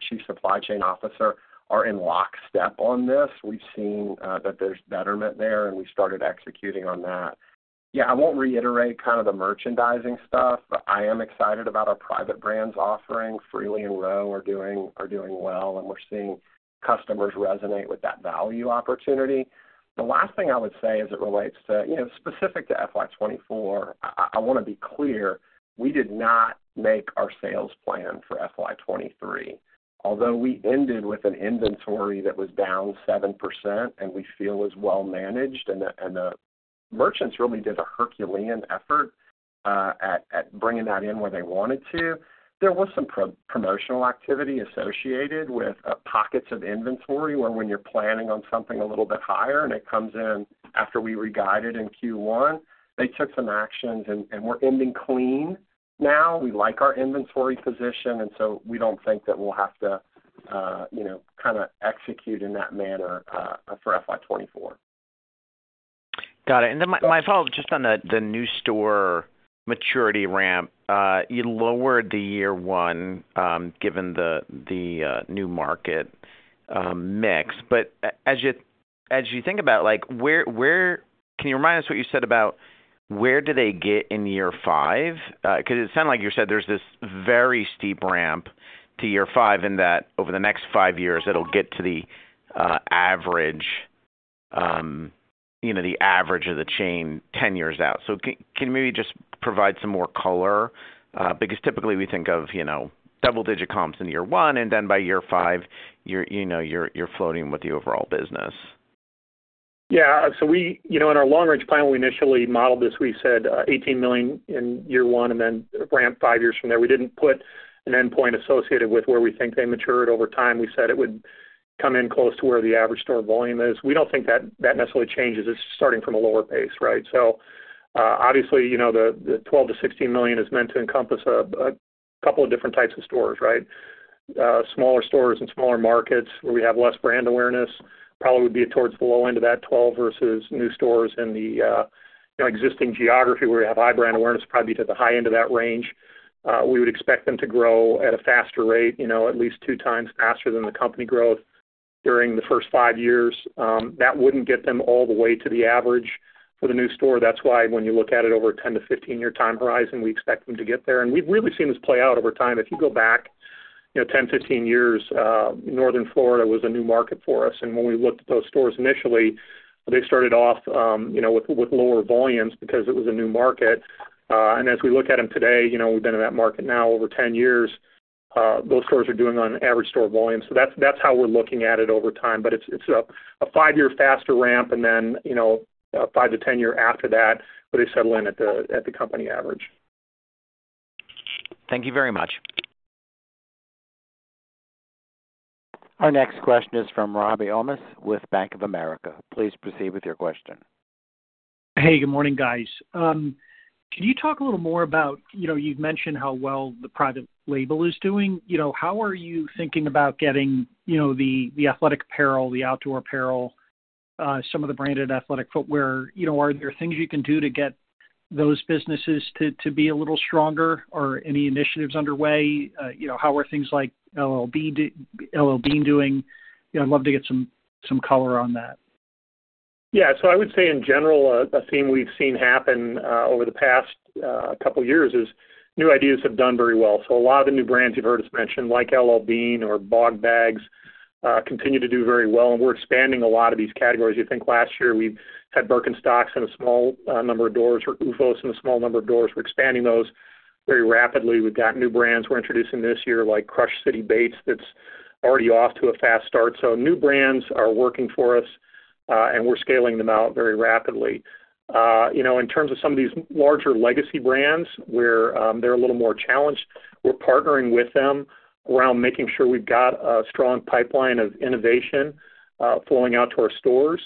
Chief Supply Chain Officer, are in lockstep on this. We've seen that there's betterment there, and we started executing on that. Yeah, I won't reiterate kind of the merchandising stuff, but I am excited about our private brands offering. Freely and R.O.W. are doing well, and we're seeing customers resonate with that value opportunity. The last thing I would say as it relates to, you know, specific to FY 2024, I wanna be clear, we did not make our sales plan for FY 2023. Although we ended with an inventory that was down 7% and we feel was well managed, and the merchants really did a Herculean effort at bringing that in where they wanted to. There was some promotional activity associated with pockets of inventory, where when you're planning on something a little bit higher and it comes in after we re-guided in Q1, they took some actions, and we're ending clean now. We like our inventory position, and so we don't think that we'll have to, you know, kind of execute in that manner, for FY 2024. Got it. And then my follow-up just on the new store maturity ramp. You lowered the year 1, given the new market mix. But as you think about, like, where— Can you remind us what you said about where do they get in year 5? Because it sounded like you said there's this very steep ramp to year 5, and that over the next 5 years, it'll get to the average, you know, the average of the chain 10 years out. So can you maybe just provide some more color? Because typically we think of, you know, double-digit comps in year 1, and then by year 5, you're— you know, you're floating with the overall business. Yeah. So we. You know, in our long-range plan, we initially modeled this, we said, $18 million in year one and then ramp 5 years from there. We didn't put an endpoint associated with where we think they matured over time. We said it would come in close to where the average store volume is. We don't think that, that necessarily changes. It's starting from a lower pace, right? So, obviously, you know, the, the $12 million-$16 million is meant to encompass a, a couple of different types of stores, right? Smaller stores and smaller markets where we have less brand awareness, probably would be towards the low end of that 12 versus new stores in the, you know, existing geography, where we have high brand awareness, probably be to the high end of that range. We would expect them to grow at a faster rate, you know, at least two times faster than the company growth during the first five years. That wouldn't get them all the way to the average for the new store. That's why when you look at it over a 10-15-year time horizon, we expect them to get there. We've really seen this play out over time. If you go back, you know, 10-15 years, Northern Florida was a new market for us. When we looked at those stores initially, they started off, you know, with lower volumes because it was a new market. As we look at them today, you know, we've been in that market now over 10 years, those stores are doing on average store volume. So that's how we're looking at it over time. But it's a 5-year faster ramp and then, you know, 5-10 year after that, where they settle in at the company average. Thank you very much. Our next question is from Robbie Ohmes with Bank of America. Please proceed with your question. Hey, good morning, guys. Can you talk a little more about— You know, you've mentioned how well the private label is doing. You know, how are you thinking about getting, you know, the, the athletic apparel, the outdoor apparel, some of the branded athletic footwear? You know, are there things you can do to get those businesses to, to be a little stronger, or any initiatives underway? You know, how are things like L.L.Bean doing? You know, I'd love to get some, some color on that. Yeah, so I would say in general, a theme we've seen happen over the past couple years is new ideas have done very well. So a lot of the new brands you've heard us mention, like L.L.Bean or Bogg Bag, continue to do very well, and we're expanding a lot of these categories. I think last year, we had Birkenstocks in a small number of doors, or OOFOS in a small number of doors. We're expanding those very rapidly. We've got new brands we're introducing this year, like CrushCity Baits, that's already off to a fast start. So new brands are working for us, and we're scaling them out very rapidly. You know, in terms of some of these larger legacy brands, where they're a little more challenged, we're partnering with them around making sure we've got a strong pipeline of innovation flowing out to our stores.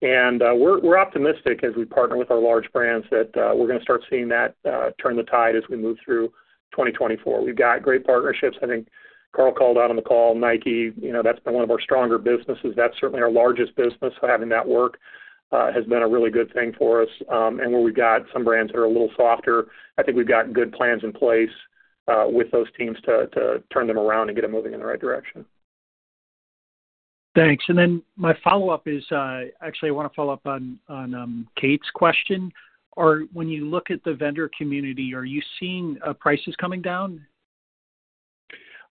And we're optimistic as we partner with our large brands, that we're gonna start seeing that turn the tide as we move through 2024. We've got great partnerships. I think Carl called out on the call, Nike, you know, that's been one of our stronger businesses. That's certainly our largest business, so having that work has been a really good thing for us. And where we've got some brands that are a little softer, I think we've got good plans in place with those teams to turn them around and get them moving in the right direction. Thanks. Then my follow-up is, actually, I wanna follow up on Kate's question. When you look at the vendor community, are you seeing prices coming down?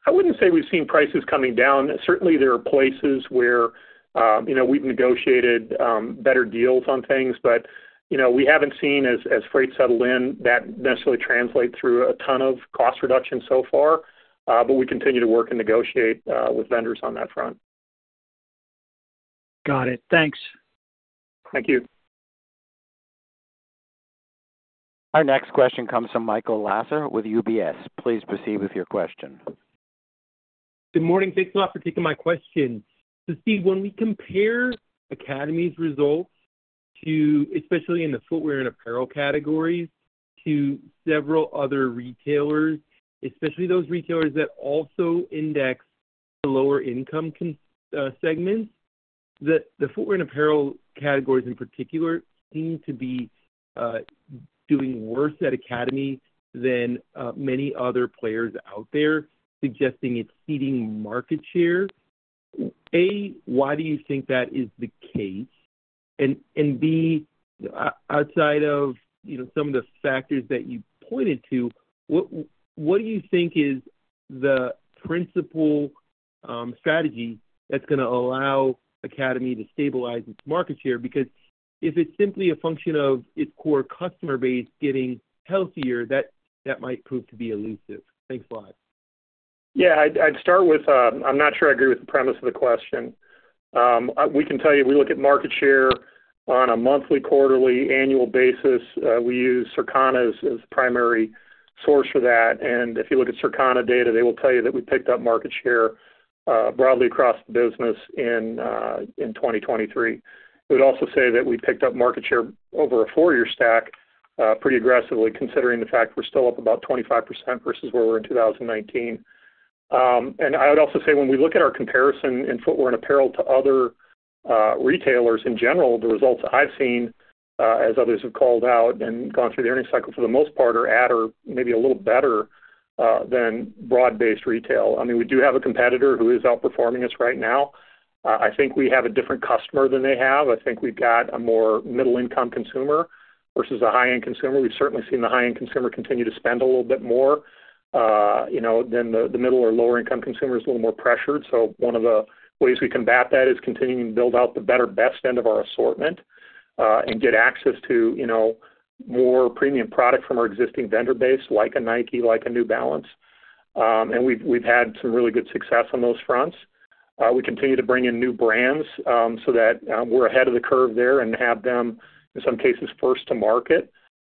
I wouldn't say we've seen prices coming down. Certainly, there are places where, you know, we've negotiated better deals on things. But, you know, we haven't seen, as freight settled in, that necessarily translate through a ton of cost reduction so far. But we continue to work and negotiate with vendors on that front. Got it. Thanks. Thank you. Our next question comes from Michael Lasser with UBS. Please proceed with your question. Good morning. Thanks a lot for taking my question. So Steve, when we compare Academy's results to, especially in the footwear and apparel categories, to several other retailers, especially those retailers that also index to the lower income consumer segments, the footwear and apparel categories in particular seem to be doing worse at Academy than many other players out there, suggesting it's ceding market share. A, why do you think that is the case? And B, outside of, you know, some of the factors that you pointed to, what do you think is the principal strategy that's gonna allow Academy to stabilize its market share? Because if it's simply a function of its core customer base getting healthier, that might prove to be elusive. Thanks a lot. Yeah, I'd start with, I'm not sure I agree with the premise of the question. We can tell you, we look at market share on a monthly, quarterly, annual basis. We use Circana as the primary source for that. And if you look at Circana data, they will tell you that we picked up market share broadly across the business in 2023. I would also say that we picked up market share over a 4-year stack pretty aggressively, considering the fact we're still up about 25% versus where we were in 2019. And I would also say when we look at our comparison in footwear and apparel to other retailers, in general, the results I've seen as others have called out and gone through the earnings cycle, for the most part, are at or maybe a little better than broad-based retail. I mean, we do have a competitor who is outperforming us right now. I think we have a different customer than they have. I think we've got a more middle-income consumer versus a high-end consumer. We've certainly seen the high-end consumer continue to spend a little bit more, you know, than the middle- or lower-income consumer is a little more pressured. So one of the ways we combat that is continuing to build out the better, best end of our assortment, and get access to, you know, more premium product from our existing vendor base, like a Nike, like a New Balance. And we've, we've had some really good success on those fronts. We continue to bring in new brands, so that, we're ahead of the curve there and have them, in some cases, first to market.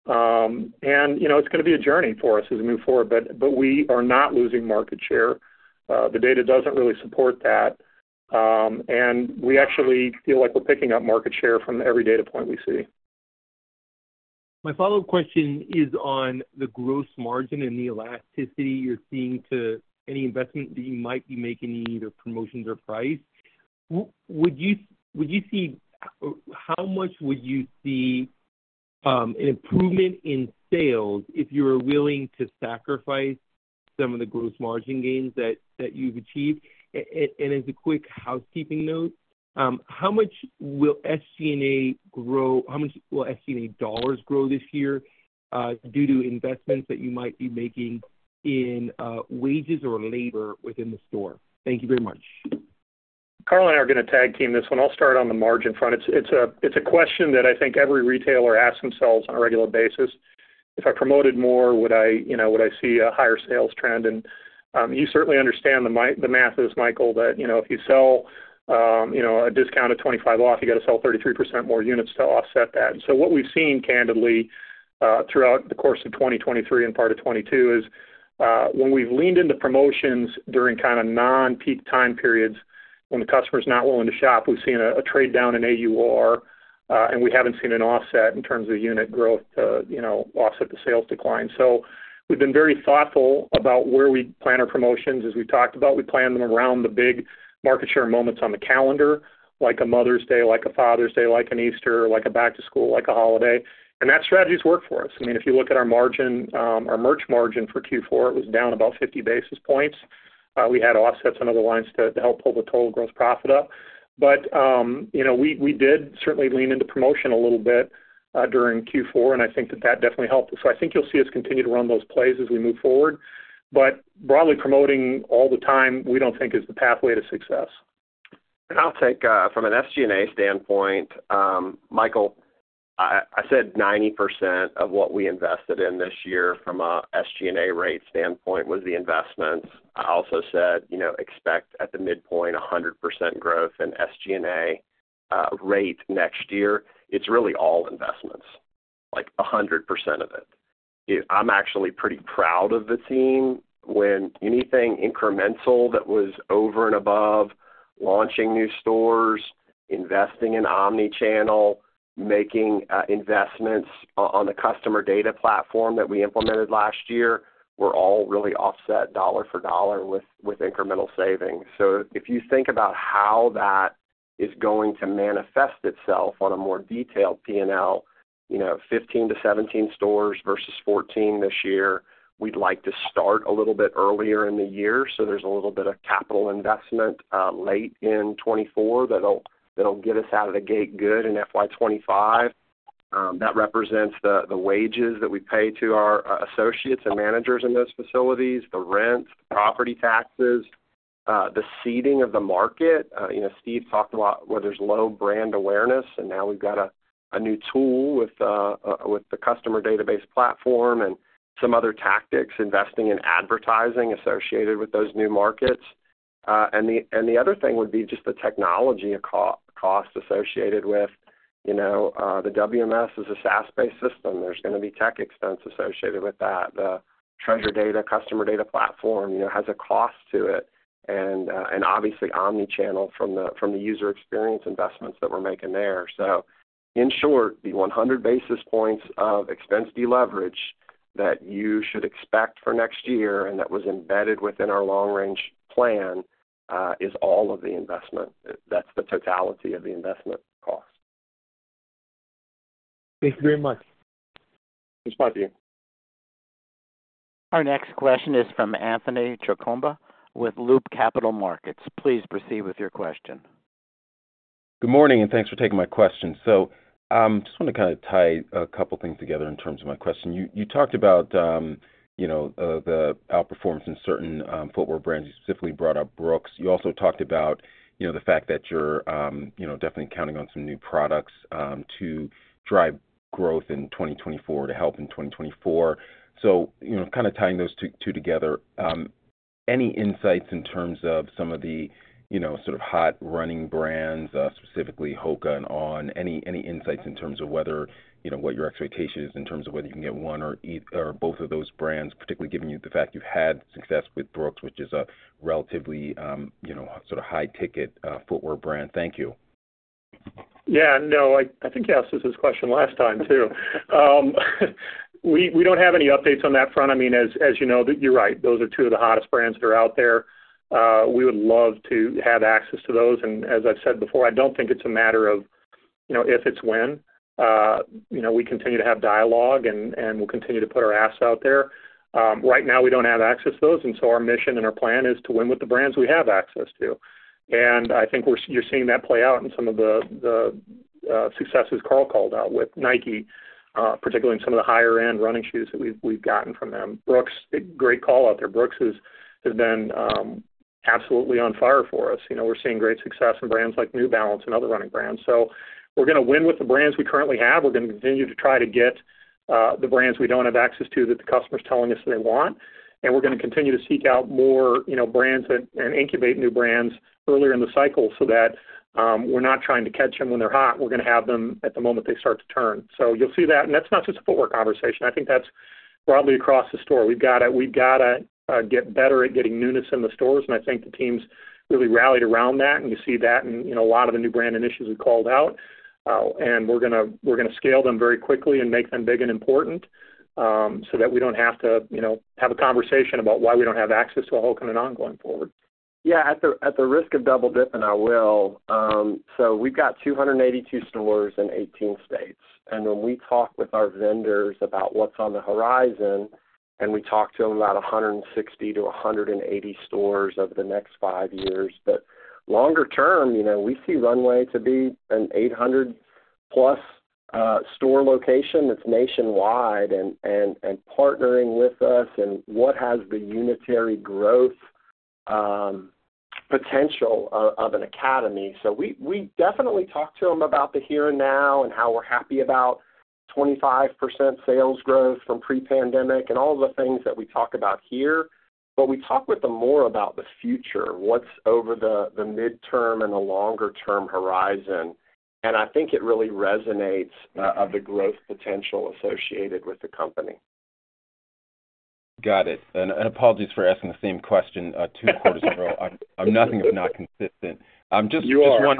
And, you know, it's gonna be a journey for us as we move forward, but, but we are not losing market share. The data doesn't really support that. And we actually feel like we're picking up market share from every data point we see. My follow-up question is on the gross margin and the elasticity you're seeing to any investment that you might be making in either promotions or price. Would you see—how much would you see an improvement in sales if you were willing to sacrifice some of the gross margin gains that you've achieved? And as a quick housekeeping note, how much will SG&A grow—how much will SG&A dollars grow this year due to investments that you might be making in wages or labor within the store? Thank you very much. Carl and I are gonna tag team this one. I'll start on the margin front. It's a question that I think every retailer asks themselves on a regular basis. If I promoted more, would I, you know, would I see a higher sales trend? And you certainly understand the math is, Michael, that, you know, if you sell a discount of 25 off, you got to sell 33% more units to offset that. And so what we've seen, candidly, throughout the course of 2023 and part of 2022 is when we've leaned into promotions during kind of non-peak time periods, when the customer's not willing to shop, we've seen a trade-down in AUR, and we haven't seen an offset in terms of unit growth to, you know, offset the sales decline. So-... We've been very thoughtful about where we plan our promotions. As we've talked about, we plan them around the big market share moments on the calendar, like a Mother's Day, like a Father's Day, like an Easter, like a back to school, like a holiday, and that strategy's worked for us. I mean, if you look at our margin, our merch margin for Q4, it was down about 50 basis points. We had to offset some other lines to help pull the total gross profit up. But, you know, we did certainly lean into promotion a little bit, during Q4, and I think that that definitely helped. So I think you'll see us continue to run those plays as we move forward. But broadly promoting all the time, we don't think is the pathway to success. I'll take from an SG&A standpoint, Michael. I said 90% of what we invested in this year from an SG&A rate standpoint was the investments. I also said, you know, expect at the midpoint, 100% growth in SG&A rate next year. It's really all investments, like, 100% of it. I'm actually pretty proud of the team when anything incremental that was over and above launching new stores, investing in omnichannel, making investments on the customer data platform that we implemented last year were all really offset dollar for dollar with incremental savings. So if you think about how that is going to manifest itself on a more detailed P&L, you know, 15-17 stores versus 14 this year, we'd like to start a little bit earlier in the year, so there's a little bit of capital investment late in 2024 that'll get us out of the gate good in FY 2025. That represents the wages that we pay to our associates and managers in those facilities, the rent, property taxes, the seeding of the market. You know, Steve talked a lot where there's low brand awareness, and now we've got a new tool with the customer database platform and some other tactics, investing in advertising associated with those new markets. And the other thing would be just the technology core cost associated with, you know, the WMS is a SaaS-based system. There's gonna be tech expense associated with that. The Treasure Data, customer data platform, you know, has a cost to it, and, and obviously, omnichannel from the, from the user experience investments that we're making there. So in short, the 100 basis points of expense deleverage that you should expect for next year and that was embedded within our long-range plan, is all of the investment. That's the totality of the investment cost. Thank you very much. Thanks, Bobby. Our next question is from Anthony Chukumba with Loop Capital Markets. Please proceed with your question. Good morning, and thanks for taking my question. So, just want to kind of tie a couple things together in terms of my question. You, you talked about, you know, the outperformance in certain, footwear brands. You specifically brought up Brooks. You also talked about, you know, the fact that you're, you know, definitely counting on some new products, to drive growth in 2024 to help in 2024. So, you know, kind of tying those two, together, any insights in terms of some of the, you know, sort of hot running brands, specifically HOKA and On? Any insights in terms of whether, you know, what your expectation is in terms of whether you can get one or either or both of those brands, particularly given the fact you've had success with Brooks, which is a relatively, you know, sort of high-ticket footwear brand. Thank you. Yeah, no, I think you asked us this question last time, too. We don't have any updates on that front. I mean, as you know, you're right, those are two of the hottest brands that are out there. We would love to have access to those, and as I've said before, I don't think it's a matter of, you know, if it's when. You know, we continue to have dialogue and we'll continue to put our ask out there. Right now, we don't have access to those, and so our mission and our plan is to win with the brands we have access to. And I think we're—you're seeing that play out in some of the successes Carl called out with Nike, particularly in some of the higher-end running shoes that we've gotten from them. Brooks, great call out there. Brooks has, has been, absolutely on fire for us. You know, we're seeing great success in brands like New Balance and other running brands. So we're gonna win with the brands we currently have. We're gonna continue to try to get the brands we don't have access to that the customer's telling us they want, and we're gonna continue to seek out more, you know, brands and, and incubate new brands earlier in the cycle so that, we're not trying to catch them when they're hot. We're gonna have them at the moment they start to turn. So you'll see that, and that's not just a footwear conversation. I think that's broadly across the store. We've gotta get better at getting newness in the stores, and I think the team's really rallied around that, and you see that in, you know, a lot of the new brand initiatives we've called out. And we're gonna scale them very quickly and make them big and important, so that we don't have to, you know, have a conversation about why we don't have access to a HOKA and On going forward. Yeah, at the risk of double-dipping, I will. So we've got 282 stores in 18 states, and when we talk with our vendors about what's on the horizon, and we talk to them about 160-180 stores over the next five years. But longer term, you know, we see runway to be an 800+ store location that's nationwide and partnering with us, and what has the unitary growth potential of an Academy. So we definitely talk to them about the here and now and how we're happy about 25% sales growth from pre-pandemic and all the things that we talk about here, but we talk with them more about the future, what's over the midterm and the longer-term horizon. I think it really resonates of the growth potential associated with the company. Got it. And, and apologies for asking the same question, two quarters in a row. I'm nothing if not consistent. Just- You are.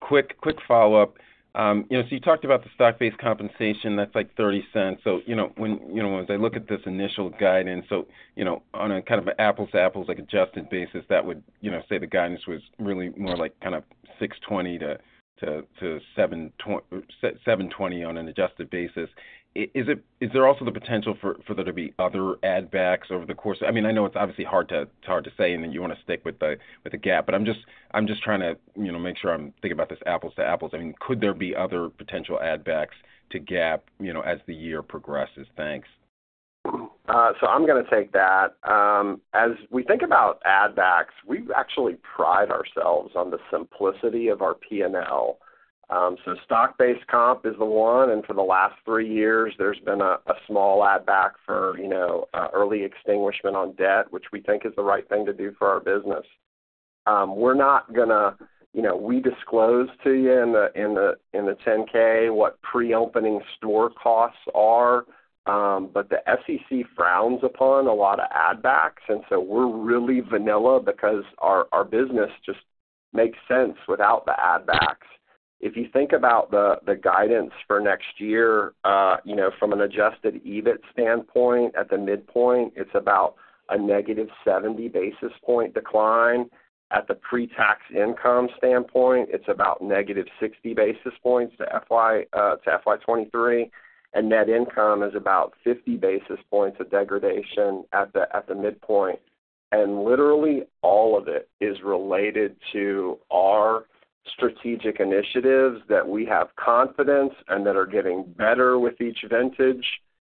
Quick follow-up. You know, so you talked about the stock-based compensation, that's like $0.30. So, you know, when, you know, as I look at this initial guidance, so, you know, on a kind of apples-to-apples, like, adjusted basis, that would, you know, say the guidance was really more like kind of $6.20-$7.20 on an adjusted basis. Is there also the potential for there to be other add backs over the course? I mean, I know it's obviously hard to say, and then you wanna stick with the GAAP, but I'm just trying to, you know, make sure I'm thinking about this apples to apples. I mean, could there be other potential add backs to GAAP, you know, as the year progresses? Thanks. So I'm gonna take that. As we think about add backs, we actually pride ourselves on the simplicity of our PNL. So stock-based comp is the one, and for the last 3 years, there's been a small add back for, you know, early extinguishment on debt, which we think is the right thing to do for our business. We're not gonna. You know, we disclose to you in the 10-K what pre-opening store costs are. But the SEC frowns upon a lot of add backs, and so we're really vanilla because our business just makes sense without the add backs. If you think about the guidance for next year, you know, from an adjusted EBIT standpoint, at the midpoint, it's about a -70 basis point decline. At the pre-tax income standpoint, it's about -60 basis points to FY 2023, and net income is about 50 basis points of degradation at the midpoint. Literally, all of it is related to our strategic initiatives that we have confidence in and that are getting better with each vintage.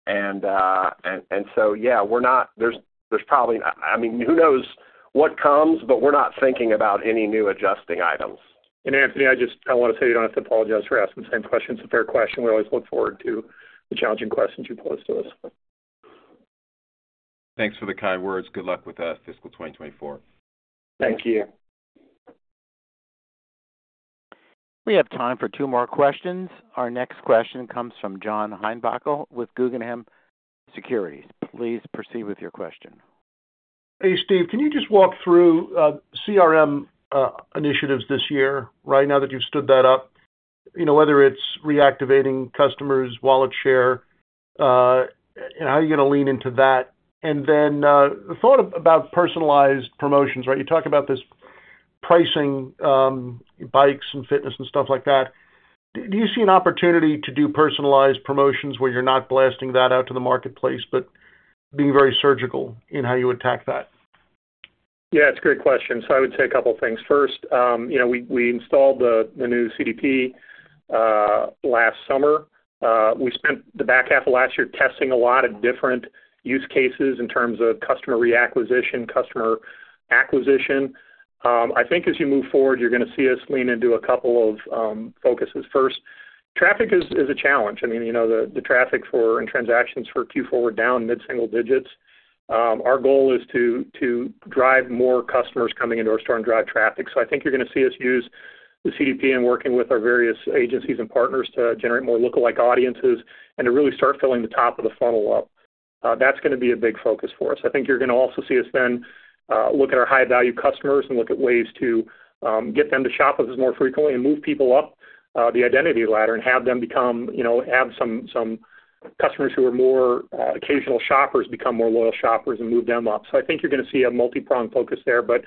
And so, yeah, we're not—there's probably not—I mean, who knows what comes, but we're not thinking about any new adjusting items. Anthony, I just, I wanna say you don't have to apologize for asking the same question. It's a fair question. We always look forward to the challenging questions you pose to us. Thanks for the kind words. Good luck with fiscal 2024. Thank you. We have time for two more questions. Our next question comes from John Heinbockel with Guggenheim Securities. Please proceed with your question. Hey, Steve, can you just walk through CRM initiatives this year, right? Now that you've stood that up? You know, whether it's reactivating customers, wallet share, how are you gonna lean into that? And then, the thought about personalized promotions, right? You talk about this pricing, bikes and fitness and stuff like that. Do you see an opportunity to do personalized promotions where you're not blasting that out to the marketplace, but being very surgical in how you attack that? Yeah, it's a great question. So I would say a couple of things. First, you know, we, we installed the, the new CDP last summer. We spent the back half of last year testing a lot of different use cases in terms of customer reacquisition, customer acquisition. I think as you move forward, you're gonna see us lean into a couple of focuses. First, traffic is, is a challenge. I mean, you know, the, the traffic for-- and transactions for Q4 were down mid-single digits. Our goal is to, to drive more customers coming into our store and drive traffic. So I think you're gonna see us use the CDP in working with our various agencies and partners to generate more lookalike audiences and to really start filling the top of the funnel up. That's gonna be a big focus for us. I think you're gonna also see us then, look at our high-value customers and look at ways to, get them to shop with us more frequently and move people up, the identity ladder and have them become, you know, have some, some customers who are more, occasional shoppers, become more loyal shoppers and move them up. So I think you're gonna see a multipronged focus there, but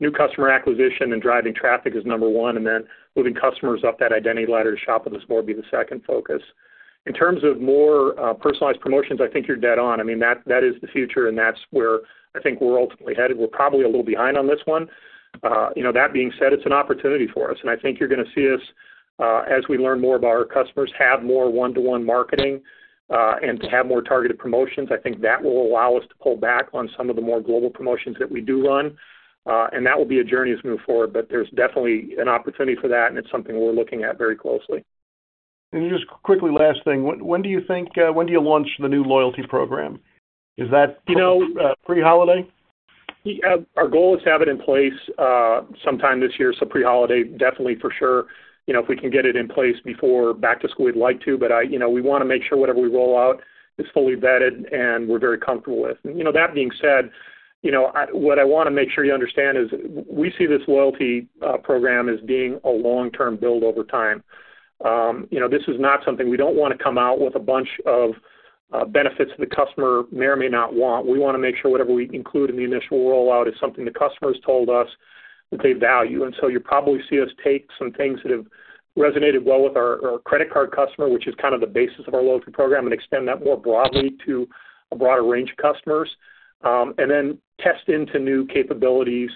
new customer acquisition and driving traffic is number one, and then moving customers up that identity ladder to shop with us more, will be the second focus. In terms of more, personalized promotions, I think you're dead on. I mean, that, that is the future, and that's where I think we're ultimately headed. We're probably a little behind on this one. you know, that being said, it's an opportunity for us, and I think you're gonna see us, as we learn more about our customers, have more one-to-one marketing, and to have more targeted promotions. I think that will allow us to pull back on some of the more global promotions that we do run, and that will be a journey as we move forward. But there's definitely an opportunity for that, and it's something we're looking at very closely. Just quickly, last thing. When do you think, when do you launch the new loyalty program? Is that, you know, pre-holiday? Our goal is to have it in place sometime this year, so pre-holiday, definitely for sure. You know, if we can get it in place before back to school, we'd like to, but I. You know, we wanna make sure whatever we roll out is fully vetted and we're very comfortable with. You know, that being said, you know, what I wanna make sure you understand is we see this loyalty program as being a long-term build over time. You know, this is not something we don't wanna come out with a bunch of benefits the customer may or may not want. We wanna make sure whatever we include in the initial rollout is something the customer's told us that they value. You'll probably see us take some things that have resonated well with our credit card customer, which is kind of the basis of our loyalty program, and extend that more broadly to a broader range of customers, and then test into new capabilities,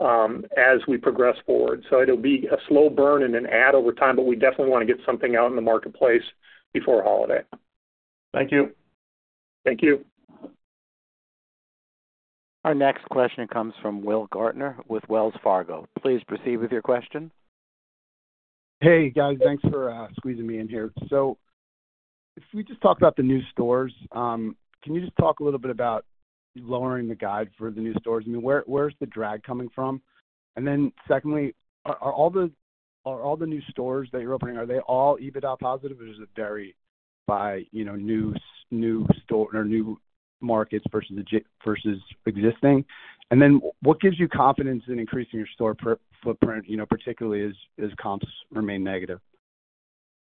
as we progress forward. It'll be a slow burn and then add over time, but we definitely wanna get something out in the marketplace before holiday. Thank you. Thank you. Our next question comes from Will Gaertner with Wells Fargo. Please proceed with your question. Hey, guys. Thanks for squeezing me in here. So if we just talk about the new stores, can you just talk a little bit about lowering the guide for the new stores? I mean, where's the drag coming from? And then secondly, are all the new stores that you're opening, are they all EBITDA positive, or is it very? By, you know, new store or new markets versus existing? And then what gives you confidence in increasing your store footprint, you know, particularly as comps remain negative?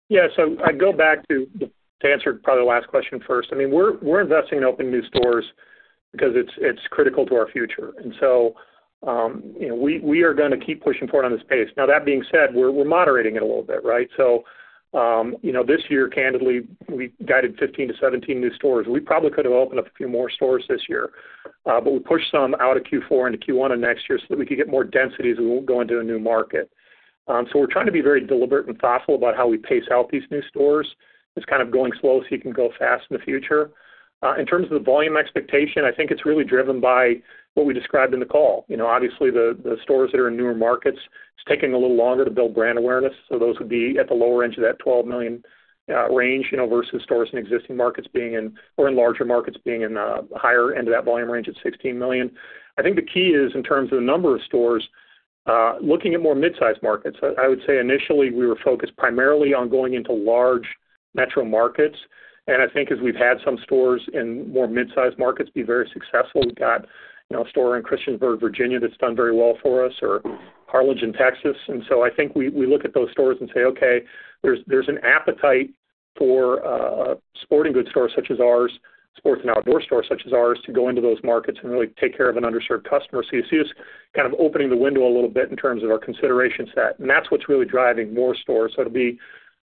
Yeah. So I'd go back to answer probably the last question first. I mean, we're investing in opening new stores because it's critical to our future. And so, you know, we are gonna keep pushing forward on this pace. Now, that being said, we're moderating it a little bit, right? So, you know, this year, candidly, we guided 15-17 new stores. We probably could have opened up a few more stores this year, but we pushed some out of Q4 into Q1 of next year so that we could get more density as we go into a new market. So we're trying to be very deliberate and thoughtful about how we pace out these new stores. It's kind of going slow, so you can go fast in the future. In terms of the volume expectation, I think it's really driven by what we described in the call. You know, obviously, the stores that are in newer markets, it's taking a little longer to build brand awareness, so those would be at the lower end of that 12 million range, you know, versus stores in existing markets being in or in larger markets being in the higher end of that volume range at 16 million. I think the key is, in terms of the number of stores, looking at more mid-sized markets. I would say initially, we were focused primarily on going into large metro markets, and I think as we've had some stores in more mid-sized markets be very successful. We've got, you know, a store in Christiansburg, Virginia, that's done very well for us, or Harlingen, Texas. And so I think we look at those stores and say, "Okay, there's an appetite for a sporting goods store such as ours, sports and outdoor store such as ours, to go into those markets and really take care of an underserved customer." So you're just kind of opening the window a little bit in terms of our consideration set, and that's what's really driving more stores. So it'll be,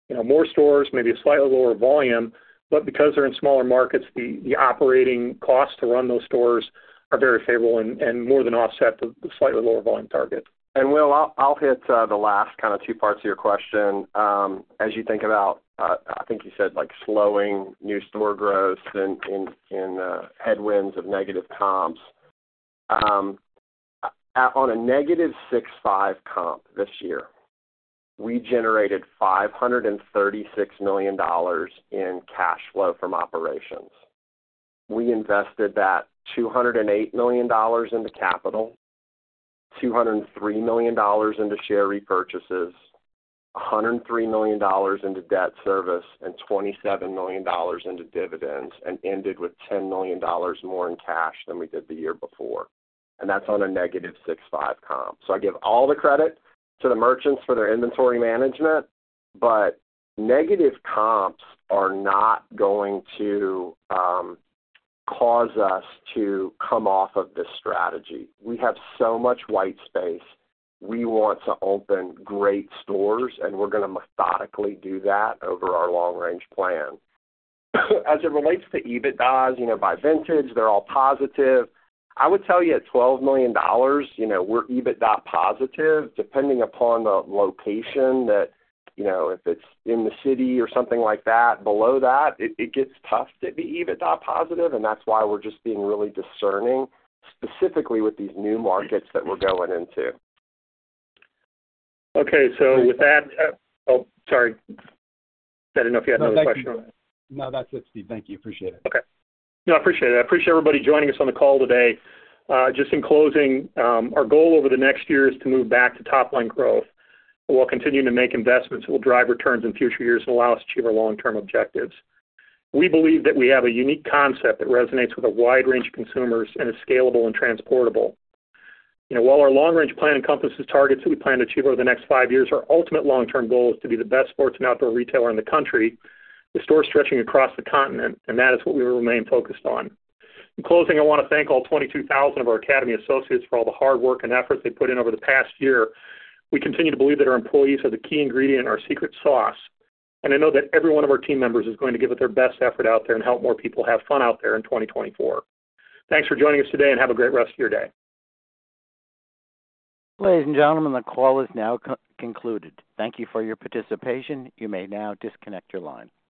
you know, more stores, maybe a slightly lower volume, but because they're in smaller markets, the operating costs to run those stores are very favorable and more than offset the slightly lower volume targets. Will, I'll hit the last kind of two parts of your question. As you think about, I think you said, like, slowing new store growth and headwinds of negative comps. On a -6.5 comp this year, we generated $536 million in cash flow from operations. We invested that $208 million into capital, $203 million into share repurchases, $103 million into debt service, and $27 million into dividends, and ended with $10 million more in cash than we did the year before, and that's on a -6.5 comp. So I give all the credit to the merchants for their inventory management, but negative comps are not going to cause us to come off of this strategy. We have so much white space. We want to open great stores, and we're gonna methodically do that over our long-range plan. As it relates to EBITDA, you know, by vintage, they're all positive. I would tell you, at $12 million, you know, we're EBITDA positive, depending upon the location that. You know, if it's in the city or something like that. Below that, it gets tough to be EBITDA positive, and that's why we're just being really discerning, specifically with these new markets that we're going into. Okay, so with that. Oh, sorry. I didn't know if you had another question. No, that's it, Steve. Thank you. Appreciate it. Okay. No, I appreciate it. I appreciate everybody joining us on the call today. Just in closing, our goal over the next year is to move back to top-line growth. We'll continue to make investments that will drive returns in future years and allow us to achieve our long-term objectives. We believe that we have a unique concept that resonates with a wide range of consumers and is scalable and transportable. You know, while our long-range plan encompasses targets that we plan to achieve over the next 5 years, our ultimate long-term goal is to be the best sports and outdoor retailer in the country, with stores stretching across the continent, and that is what we remain focused on. In closing, I want to thank all 22,000 of our Academy associates for all the hard work and effort they put in over the past year. We continue to believe that our employees are the key ingredient in our secret sauce, and I know that every one of our team members is going to give it their best effort out there and help more people have fun out there in 2024. Thanks for joining us today, and have a great rest of your day. Ladies and gentlemen, the call is now concluded. Thank you for your participation. You may now disconnect your line.